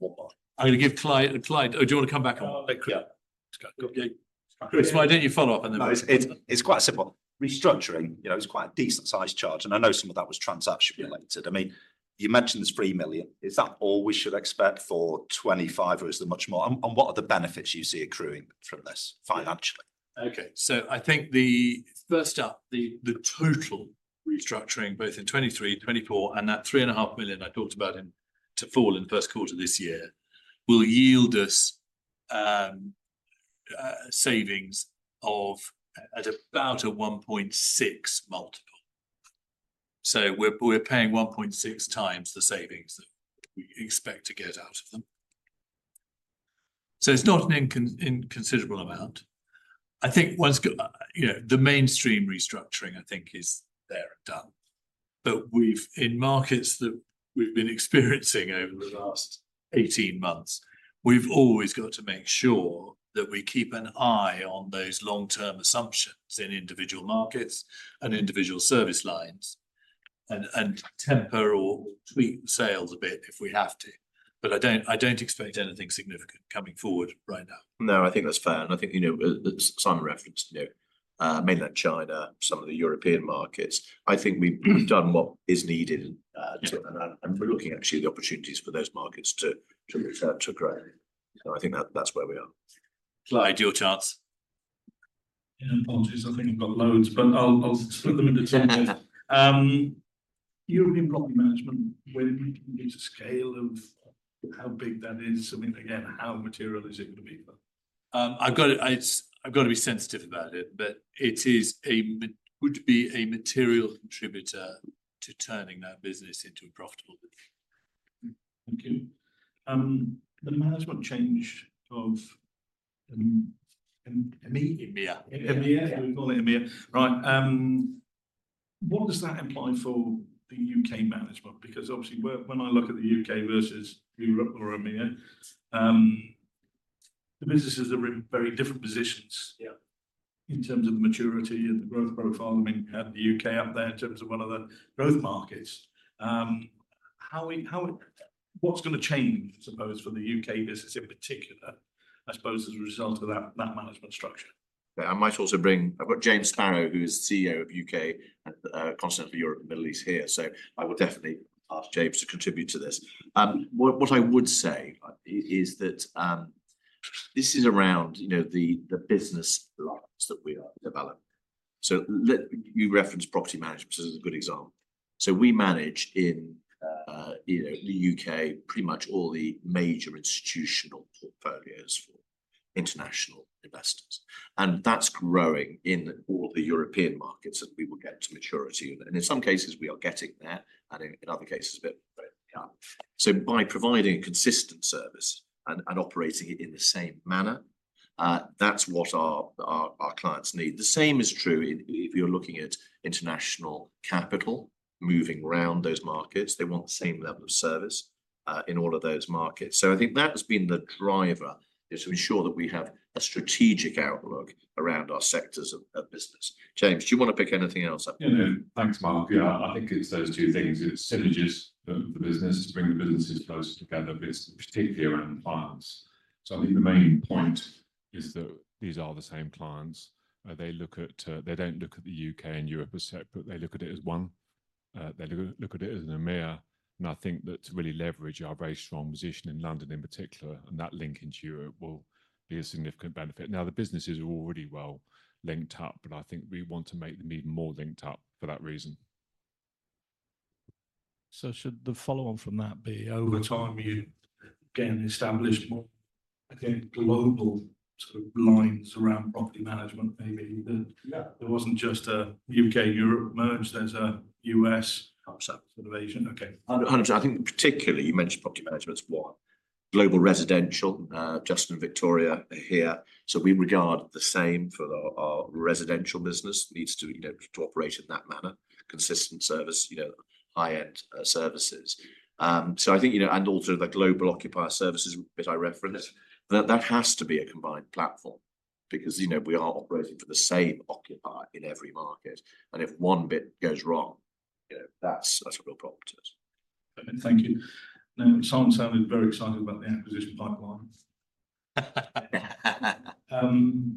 S2: I am going to give Clyde, do you want to come back on? Yeah. Chris, why do you not follow up on that? It is quite simple. Restructuring, you know, it is quite a decent sized charge. I know some of that was transaction related. I mean, you mentioned this $3 million. Is that all we should expect for 2025 or is there much more? What are the benefits you see accruing from this financially? Okay. I think first up, the total restructuring, both in 2023, 2024, and that $3.5 million I talked about to fall in the first quarter of this year, will yield us savings of at about a 1.6 multiple. We are paying 1.6 times the savings that we expect to get out of them. It is not an inconsiderable amount. I think once, you know, the mainstream restructuring, I think, is there and done. We've in markets that we've been experiencing over the last 18 months, we've always got to make sure that we keep an eye on those long-term assumptions in individual markets and individual service lines and temper or tweak the sales a bit if we have to. I don't expect anything significant coming forward right now.
S1: No, I think that's fair. I think, you know, Simon referenced, you know, mainland China, some of the European markets. I think we've done what is needed to, and we're looking at actually the opportunities for those markets to return to growth. I think that's where we are. Clyde, your chance. Yeah, apologies. I think I've got loads, but I'll split them into two bits. European property management, when you can get a scale of how big that is, I mean, again, how material is it going to be for?
S2: I've got to be sensitive about it, but it would be a material contributor to turning that business into a profitable business. Thank you. The management change of EMEA? EMEA. EMEA, we call it EMEA. Right. What does that imply for the U.K. management? Because obviously, when I look at the U.K. versus Europe or EMEA, the businesses are in very different positions in terms of the maturity and the growth profile. I mean, you have the U.K. up there in terms of one of the growth markets. What's going to change, I suppose, for the U.K. business in particular, I suppose, as a result of that management structure?
S1: I might also bring, I've got James Sparrow, who is CEO of U.K., continental Europe, Middle East here. So I will definitely ask James to contribute to this. What I would say is that this is around, you know, the business lines that we are developing. You referenced property management as a good example. We manage in, you know, the U.K., pretty much all the major institutional portfolios for international investors. That is growing in all the European markets that we will get to maturity. In some cases, we are getting there, and in other cases, a bit further. By providing a consistent service and operating it in the same manner, that is what our clients need. The same is true if you are looking at international capital moving around those markets. They want the same level of service in all of those markets. I think that has been the driver, to ensure that we have a strategic outlook around our sectors of business. James, do you want to pick anything else up?
S3: Thanks, Mark. Yeah, I think it's those two things. It's synergies for the business to bring the businesses closer together, but it's particularly around clients. I think the main point is that these are the same clients. They look at, they don't look at the U.K. and Europe as separate. They look at it as one. They look at it as an EMEA. I think that to really leverage our very strong position in London in particular, and that link into Europe will be a significant benefit. Now, the businesses are already well linked up, but I think we want to make them even more linked up for that reason. Should the follow-on from that be over time you get an established more, I think, global sort of lines around property management, maybe that there wasn't just a U.K.-Europe merge, there's a U.S. sort of Asian. Okay.
S1: 100%. I think particularly you mentioned property management as one. Global residential, Justin and Victoria here. We regard the same for our residential business needs to, you know, to operate in that manner. Consistent service, you know, high-end services. I think, you know, and also the global occupier services bit I referenced, that has to be a combined platform because, you know, we are operating for the same occupier in every market. If one bit goes wrong, you know, that's a real problem to us. Thank you. Simon sounded very excited about the acquisition pipeline.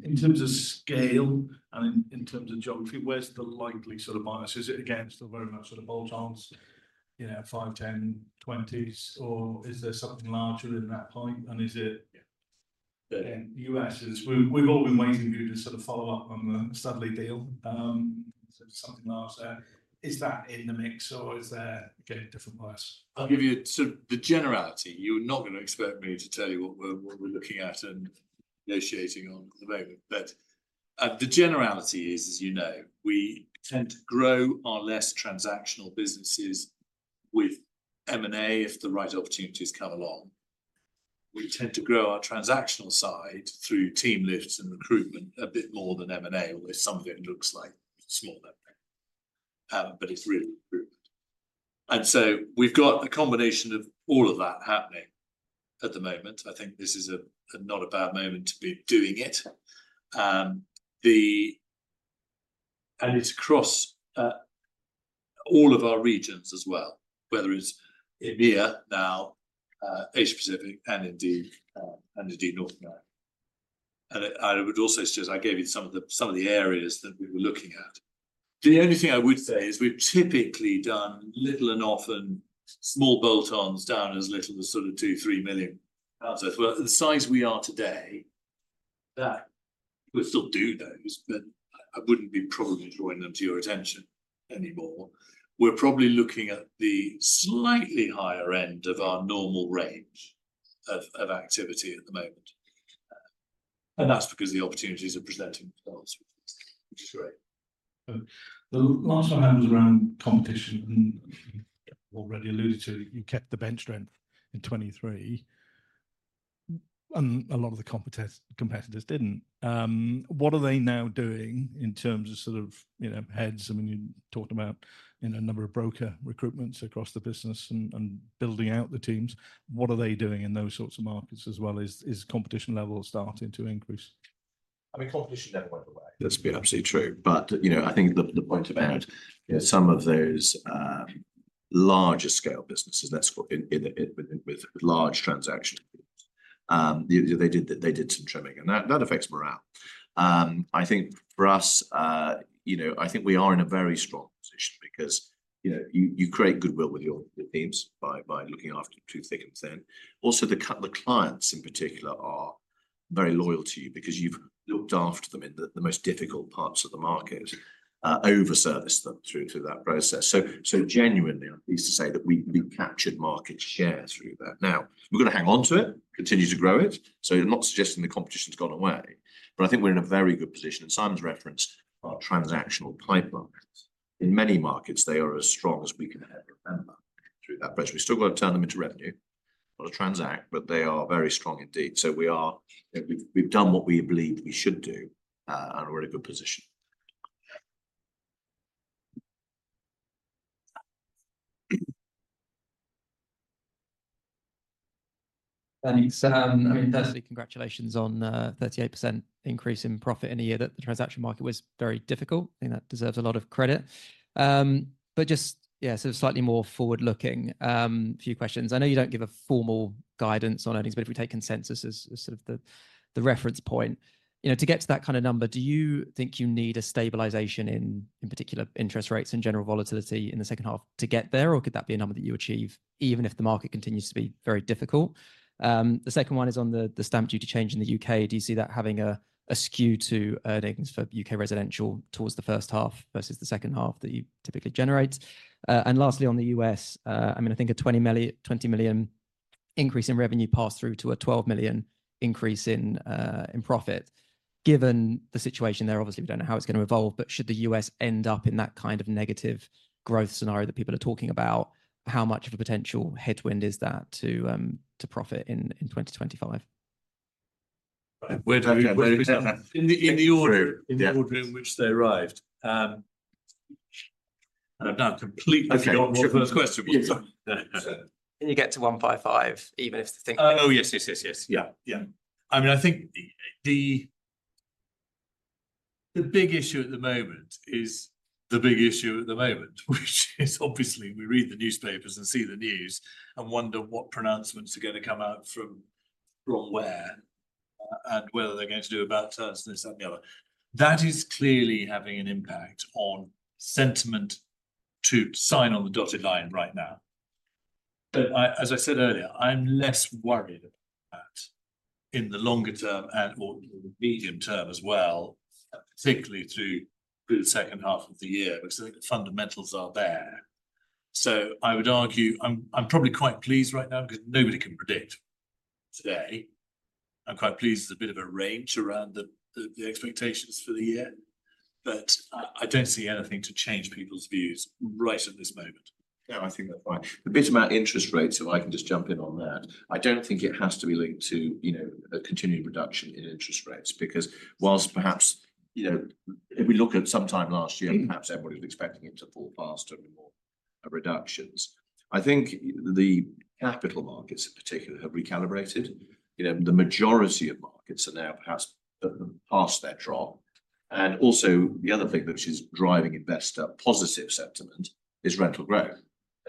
S1: In terms of scale and in terms of geography, where's the likely sort of bias? Is it again still very much sort of bolt-ons, you know, 5, 10, 20s, or is there something larger in that pipe? Is it again, U.S. is we've all been waiting for you to sort of follow up on the Savills deal. Something large there, is that in the mix or is there a different bias?
S2: I'll give you sort of the generality. You're not going to expect me to tell you what we're looking at and negotiating on at the moment. The generality is, as you know, we tend to grow our less transactional businesses with M&A if the right opportunities come along. We tend to grow our transactional side through team lifts and recruitment a bit more than M&A, although some of it looks like small M&A. It's really recruitment. We've got a combination of all of that happening at the moment. I think this is not a bad moment to be doing it. It's across all of our regions as well, whether it's EMEA now, Asia Pacific, and indeed North America. I would also suggest I gave you some of the areas that we were looking at. The only thing I would say is we've typically done little and often small bolt-ons down as little as 2 million pounds, 3 million pounds. The size we are today, that we'll still do those, but I wouldn't be probably drawing them to your attention anymore. We're probably looking at the slightly higher end of our normal range of activity at the moment. That's because the opportunities are presenting themselves, which is great. The last time happened around competition. You already alluded to it, you kept the bench strength in 2023, and a lot of the competitors didn't. What are they now doing in terms of, you know, heads? I mean, you talked about, you know, a number of broker recruitments across the business and building out the teams. What are they doing in those sorts of markets as well? Is competition level starting to increase? I mean, competition never went away.
S1: That's absolutely true. But, you know, I think the point about, you know, some of those larger scale businesses, let's call it with large transactions, they did some trimming. And that affects morale. I think for us, you know, I think we are in a very strong position because, you know, you create goodwill with your teams by looking after too thick and thin. Also, the clients in particular are very loyal to you because you've looked after them in the most difficult parts of the market, overserviced them through that process. So genuinely, I'm pleased to say that we captured market share through that. Now, we're going to hang on to it, continue to grow it. I'm not suggesting the competition's gone away. I think we're in a very good position. Simon's referenced our transactional pipelines. In many markets, they are as strong as we can ever remember through that. We've still got to turn them into revenue, not a transact, but they are very strong indeed. We are, we've done what we believe we should do, and we're in a good position. Thanks. I mean, firstly, congratulations on a 38% increase in profit in a year that the transaction market was very difficult. I think that deserves a lot of credit. Just, yeah, sort of slightly more forward-looking, a few questions. I know you don't give a formal guidance on earnings, but if we take consensus as sort of the reference point, you know, to get to that kind of number, do you think you need a stabilisation in particular interest rates and general volatility in the second half to get there, or could that be a number that you achieve even if the market continues to be very difficult? The second one is on the stamp duty change in the U.K. Do you see that having a skew to earnings for U.K. residential towards the first half versus the second half that you typically generate? Lastly, on the U.S., I mean, I think a $20 million increase in revenue passed through to a $12 million increase in profit. Given the situation there, obviously, we do not know how it is going to evolve, but should the US end up in that kind of negative growth scenario that people are talking about, how much of a potential headwind is that to profit in 2025? We are talking about in the order in which they arrived. I have now completely forgot what the first question was. Can you get to 155 even if the thing—
S2: oh, yes, yes, yes, yes. Yeah, yeah. I mean, I think the big issue at the moment is the big issue at the moment, which is obviously we read the newspapers and see the news and wonder what pronouncements are going to come out from where and whether they are going to do about us and this, that, and the other. That is clearly having an impact on sentiment to sign on the dotted line right now. As I said earlier, I'm less worried about that in the longer term or in the medium term as well, particularly through the second half of the year because I think the fundamentals are there. I would argue I'm probably quite pleased right now because nobody can predict today. I'm quite pleased with a bit of a range around the expectations for the year. I don't see anything to change people's views right at this moment. No, I think that's fine.
S1: The bit about interest rates, if I can just jump in on that, I don't think it has to be linked to, you know, a continued reduction in interest rates because whilst perhaps, you know, if we look at sometime last year, perhaps everybody was expecting it to fall faster and more reductions. I think the capital markets in particular have recalibrated. You know, the majority of markets are now perhaps past their drop. Also, the other thing which is driving investor positive sentiment is rental growth.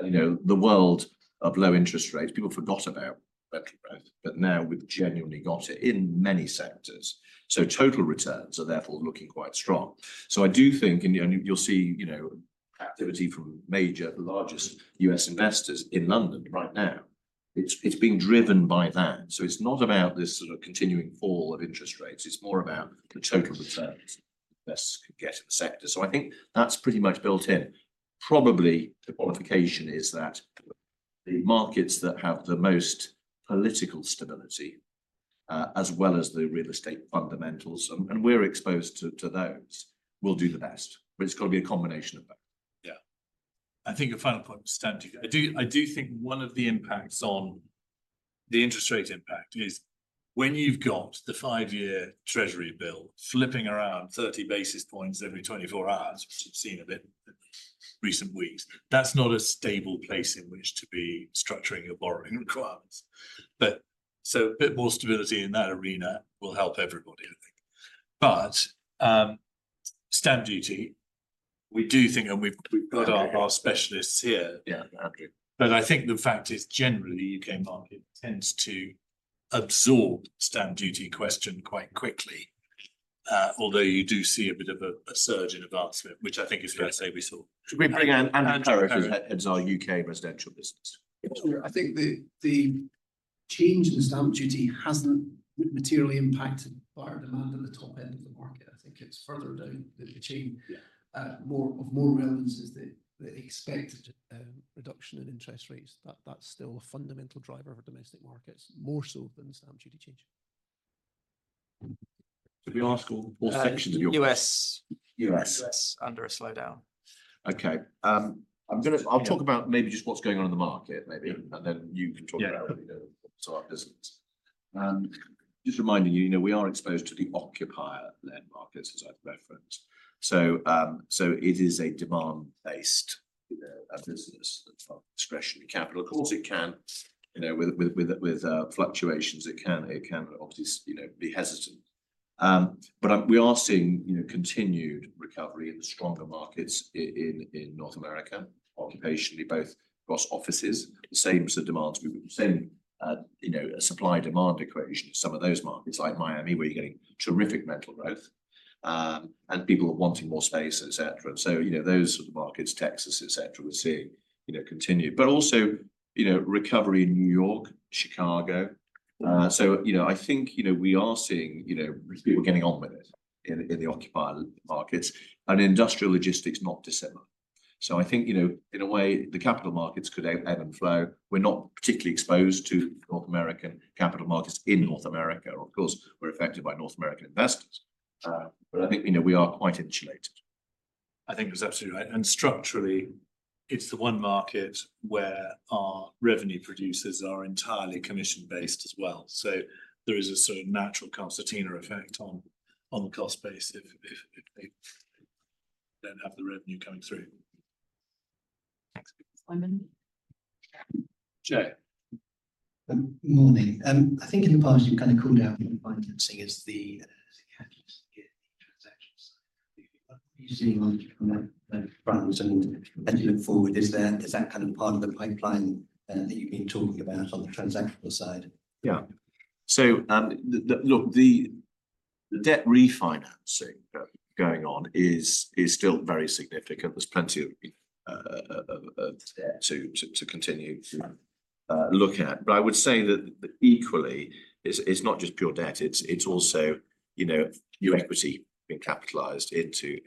S1: You know, the world of low interest rates, people forgot about rental growth, but now we've genuinely got it in many sectors. Total returns are therefore looking quite strong. I do think, and you'll see, you know, activity from major largest US investors in London right now, it's being driven by that. It's not about this sort of continuing fall of interest rates. It's more about the total returns investors can get in the sector. I think that's pretty much built in. Probably the qualification is that the markets that have the most political stability, as well as the real estate fundamentals, and we're exposed to those, will do the best. But it's got to be a combination of both.
S2: Yeah. I think your final point was stamp duty. I do think one of the impacts on the interest rate impact is when you've got the five-year Treasury bill flipping around 30 basis points every 24 hours, which you've seen a bit in recent weeks, that's not a stable place in which to be structuring your borrowing requirements. A bit more stability in that arena will help everybody, I think. Stamp duty, we do think, and we've got our specialists here. Yeah, Andrew, but I think the fact is generally the U.K. market tends to absorb stamp duty question quite quickly, although you do see a bit of a surge in advancement, which I think is fair to say we saw. Should we bring in Andrew Clarrow, who heads our U.K. residential business?
S3: I think the change in stamp duty hasn't materially impacted buyer demand at the top end of the market. I think it's further down the chain. Yeah, more of more relevance is the expected reduction in interest rates. That's still a fundamental driver for domestic markets, more so than the stamp duty change. Should we ask all sections of your U.S.? U.S., U.S. under a slowdown.
S1: Okay. I'm going to, I'll talk about maybe just what's going on in the market maybe, and then you can talk about what we know about our business. Just reminding you, you know, we are exposed to the occupier-led markets, as I've referenced. So it is a demand-based business of discretionary capital. Of course, it can, you know, with fluctuations, it can, it can obviously, you know, be hesitant. We are seeing, you know, continued recovery in the stronger markets in North America, occupationally, both across offices, the same sort of demands, the same, you know, supply-demand equation in some of those markets like Miami, where you're getting terrific rental growth and people are wanting more space, etc. You know, those sort of markets, Texas, etc., we're seeing, you know, continue, but also, you know, recovery in New York, Chicago. You know, I think, you know, we are seeing, you know, people getting on with it in the occupier markets and industrial logistics not dissimilar. I think, you know, in a way, the capital markets could ebb and flow. We're not particularly exposed to North American capital markets in North America. Of course, we're affected by North American investors. I think, you know, we are quite insulated.
S2: I think it's absolutely right. Structurally, it's the one market where our revenue producers are entirely commission-based as well. There is a sort of natural cost of Tina effect on the cost base if they don't have the revenue coming through. Thanks. Jay. Good morning. I think in the past you've kind of called out financing as the catalyst to get the transaction side. What are you seeing on the front end moving forward? Is that kind of part of the pipeline that you've been talking about on the transactional side?
S1: Yeah. The debt refinancing going on is still very significant. There's plenty of debt to continue to look at. I would say that equally, it's not just pure debt. It's also, you know, new equity being capitalized into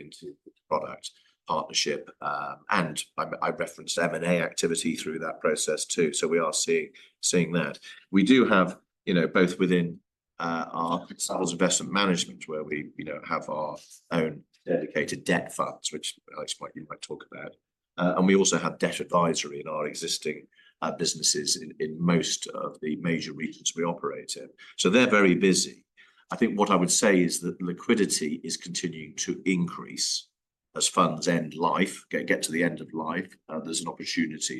S1: product partnership. I referenced M&A activity through that process too. We are seeing that. We do have, you know, both within our Sales Investment Management, where we, you know, have our own dedicated debt funds, which I think you might talk about. And we also have debt advisory in our existing businesses in most of the major regions we operate in. So they're very busy. I think what I would say is that liquidity is continuing to increase as funds end life, get to the end of life. There's an opportunity.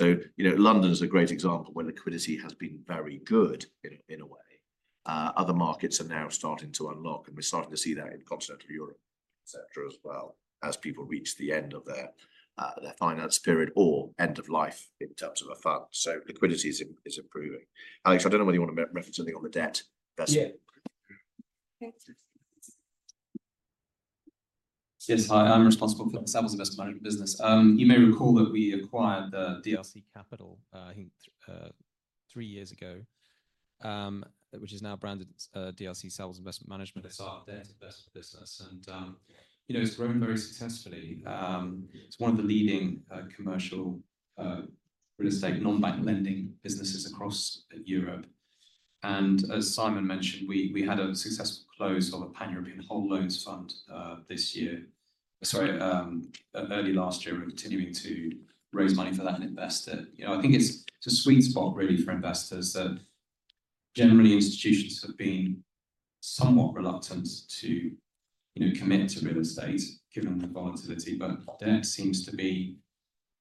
S1: You know, London is a great example where liquidity has been very good in a way. Other markets are now starting to unlock, and we're starting to see that in continental Europe, etc., as well as people reach the end of their finance period or end of life in terms of a fund. Liquidity is improving. Alex, I don't know whether you want to reference anything on the debt. Yes.
S4: Hi, I'm responsible for the Sales Investment Management business. You may recall that we acquired DRC Capital, I think three years ago, which is now branded DRC Savills Investment Management. It's our debt investment business. You know, it's grown very successfully. It's one of the leading commercial real estate non-bank lending businesses across Europe. As Simon mentioned, we had a successful close of a Pan-European whole loans fund this year. Sorry, early last year, we're continuing to raise money for that and invest it. You know, I think it's a sweet spot really for investors that generally institutions have been somewhat reluctant to, you know, commit to real estate given the volatility. Debt seems to be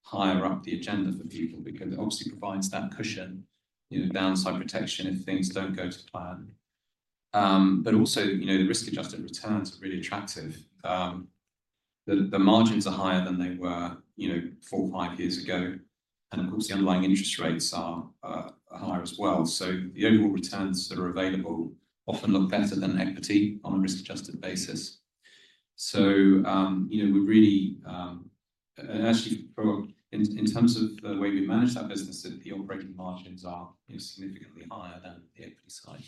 S4: higher up the agenda for people because it obviously provides that cushion, you know, downside protection if things don't go to plan. But also, you know, the risk-adjusted returns are really attractive. The margins are higher than they were, you know, four or five years ago. Of course, the underlying interest rates are higher as well. The overall returns that are available often look better than equity on a risk-adjusted basis. You know, we're really, actually in terms of the way we manage that business, the operating margins are, you know, significantly higher than the equity side.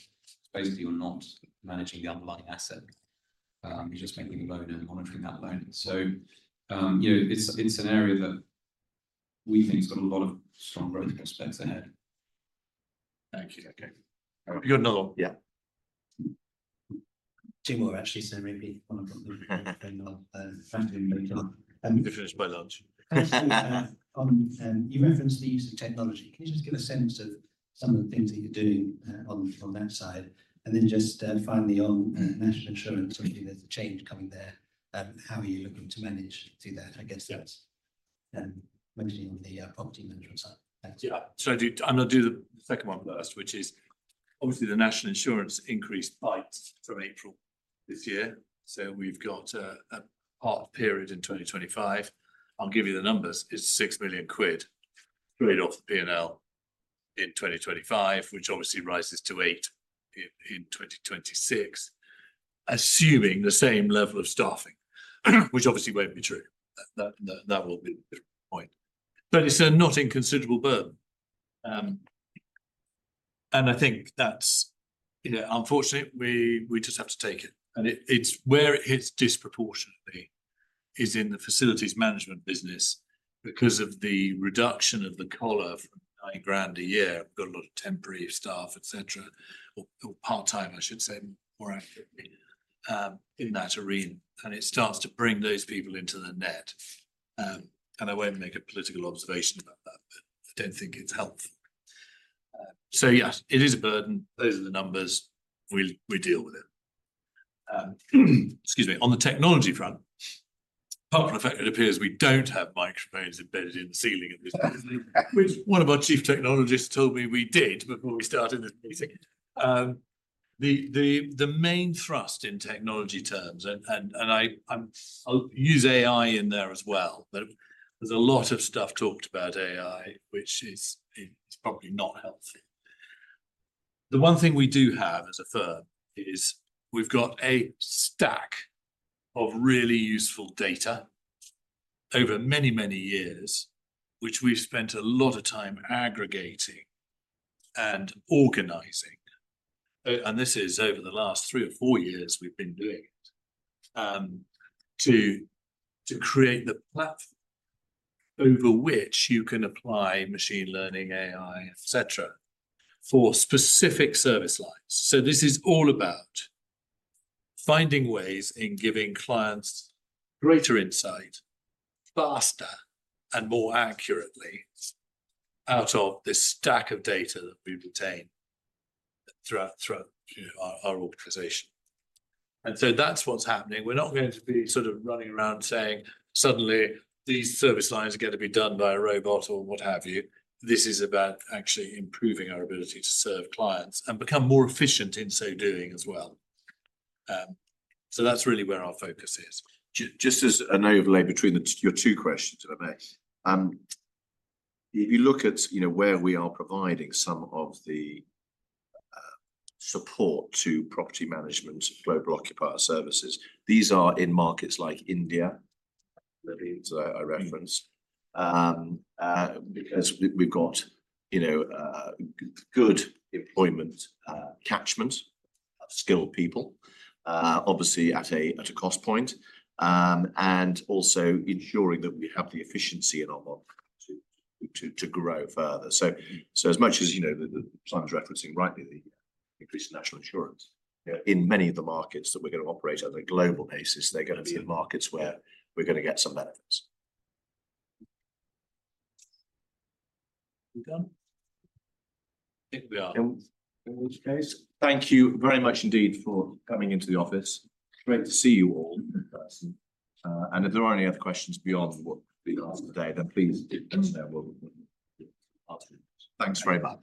S4: Basically, you're not managing the underlying asset. You're just making a loan and monitoring that loan. You know, it's an area that we think has got a lot of strong growth prospects ahead. Thank you. Okay. You're not all. Yeah. Timor actually sent me one of the technology questions. You referenced the use of technology. Can you just give a sense of some of the things that you're doing on that side? And then just finally on national insurance, obviously there's a change coming there. How are you looking to manage through that? I guess that's mostly on the property management side.
S2: Yeah. I'm going to do the second one first, which is obviously the national insurance increased by from April this year. We've got a half period in 2025. I'll give you the numbers. It's 6 million quid trade-off the P&L in 2025, which obviously rises to 8 million in 2026, assuming the same level of staffing, which obviously won't be true. That will be the point. It's a not inconsiderable burden. I think that's, you know, unfortunately, we just have to take it. It is where it hits disproportionately is in the facilities management business because of the reduction of the collar from 9,000 a year. We've got a lot of temporary staff, etc., or part-time, I should say, more accurately in that arena. It starts to bring those people into the net. I won't make a political observation about that, but I don't think it's helpful. Yes, it is a burden. Those are the numbers. We deal with it. Excuse me. On the technology front, popular factor, it appears we don't have microphones embedded in the ceiling at this point, which one of our chief technologists told me we did before we started this meeting. The main thrust in technology terms, and I'll use AI in there as well, but there's a lot of stuff talked about AI, which is probably not healthy. The one thing we do have as a firm is we've got a stack of really useful data over many, many years, which we've spent a lot of time aggregating and organizing. This is over the last three or four years we've been doing it to create the platform over which you can apply machine learning, AI, etc., for specific service lines. This is all about finding ways in giving clients greater insight faster and more accurately out of this stack of data that we retain throughout our organization. That's what's happening. We're not going to be sort of running around saying suddenly these service lines are going to be done by a robot or what have you. This is about actually improving our ability to serve clients and become more efficient in so doing as well. That's really where our focus is.
S1: Just as a note of labor between your two questions, if I may, if you look at, you know, where we are providing some of the support to property management, global occupier services, these are in markets like India, that is I referenced, because we've got, you know, good employment catchment, skilled people, obviously at a cost point, and also ensuring that we have the efficiency in our market to grow further. As much as, you know, Simon's referencing rightly, the increase in national insurance, in many of the markets that we're going to operate on a global basis, they're going to be in markets where we're going to get some benefits. You're done.
S2: I think we are.
S1: In which case, thank you very much indeed for coming into the office. Great to see you all in person. If there are any other questions beyond what we've been asked today, then please let us know. Thanks very much.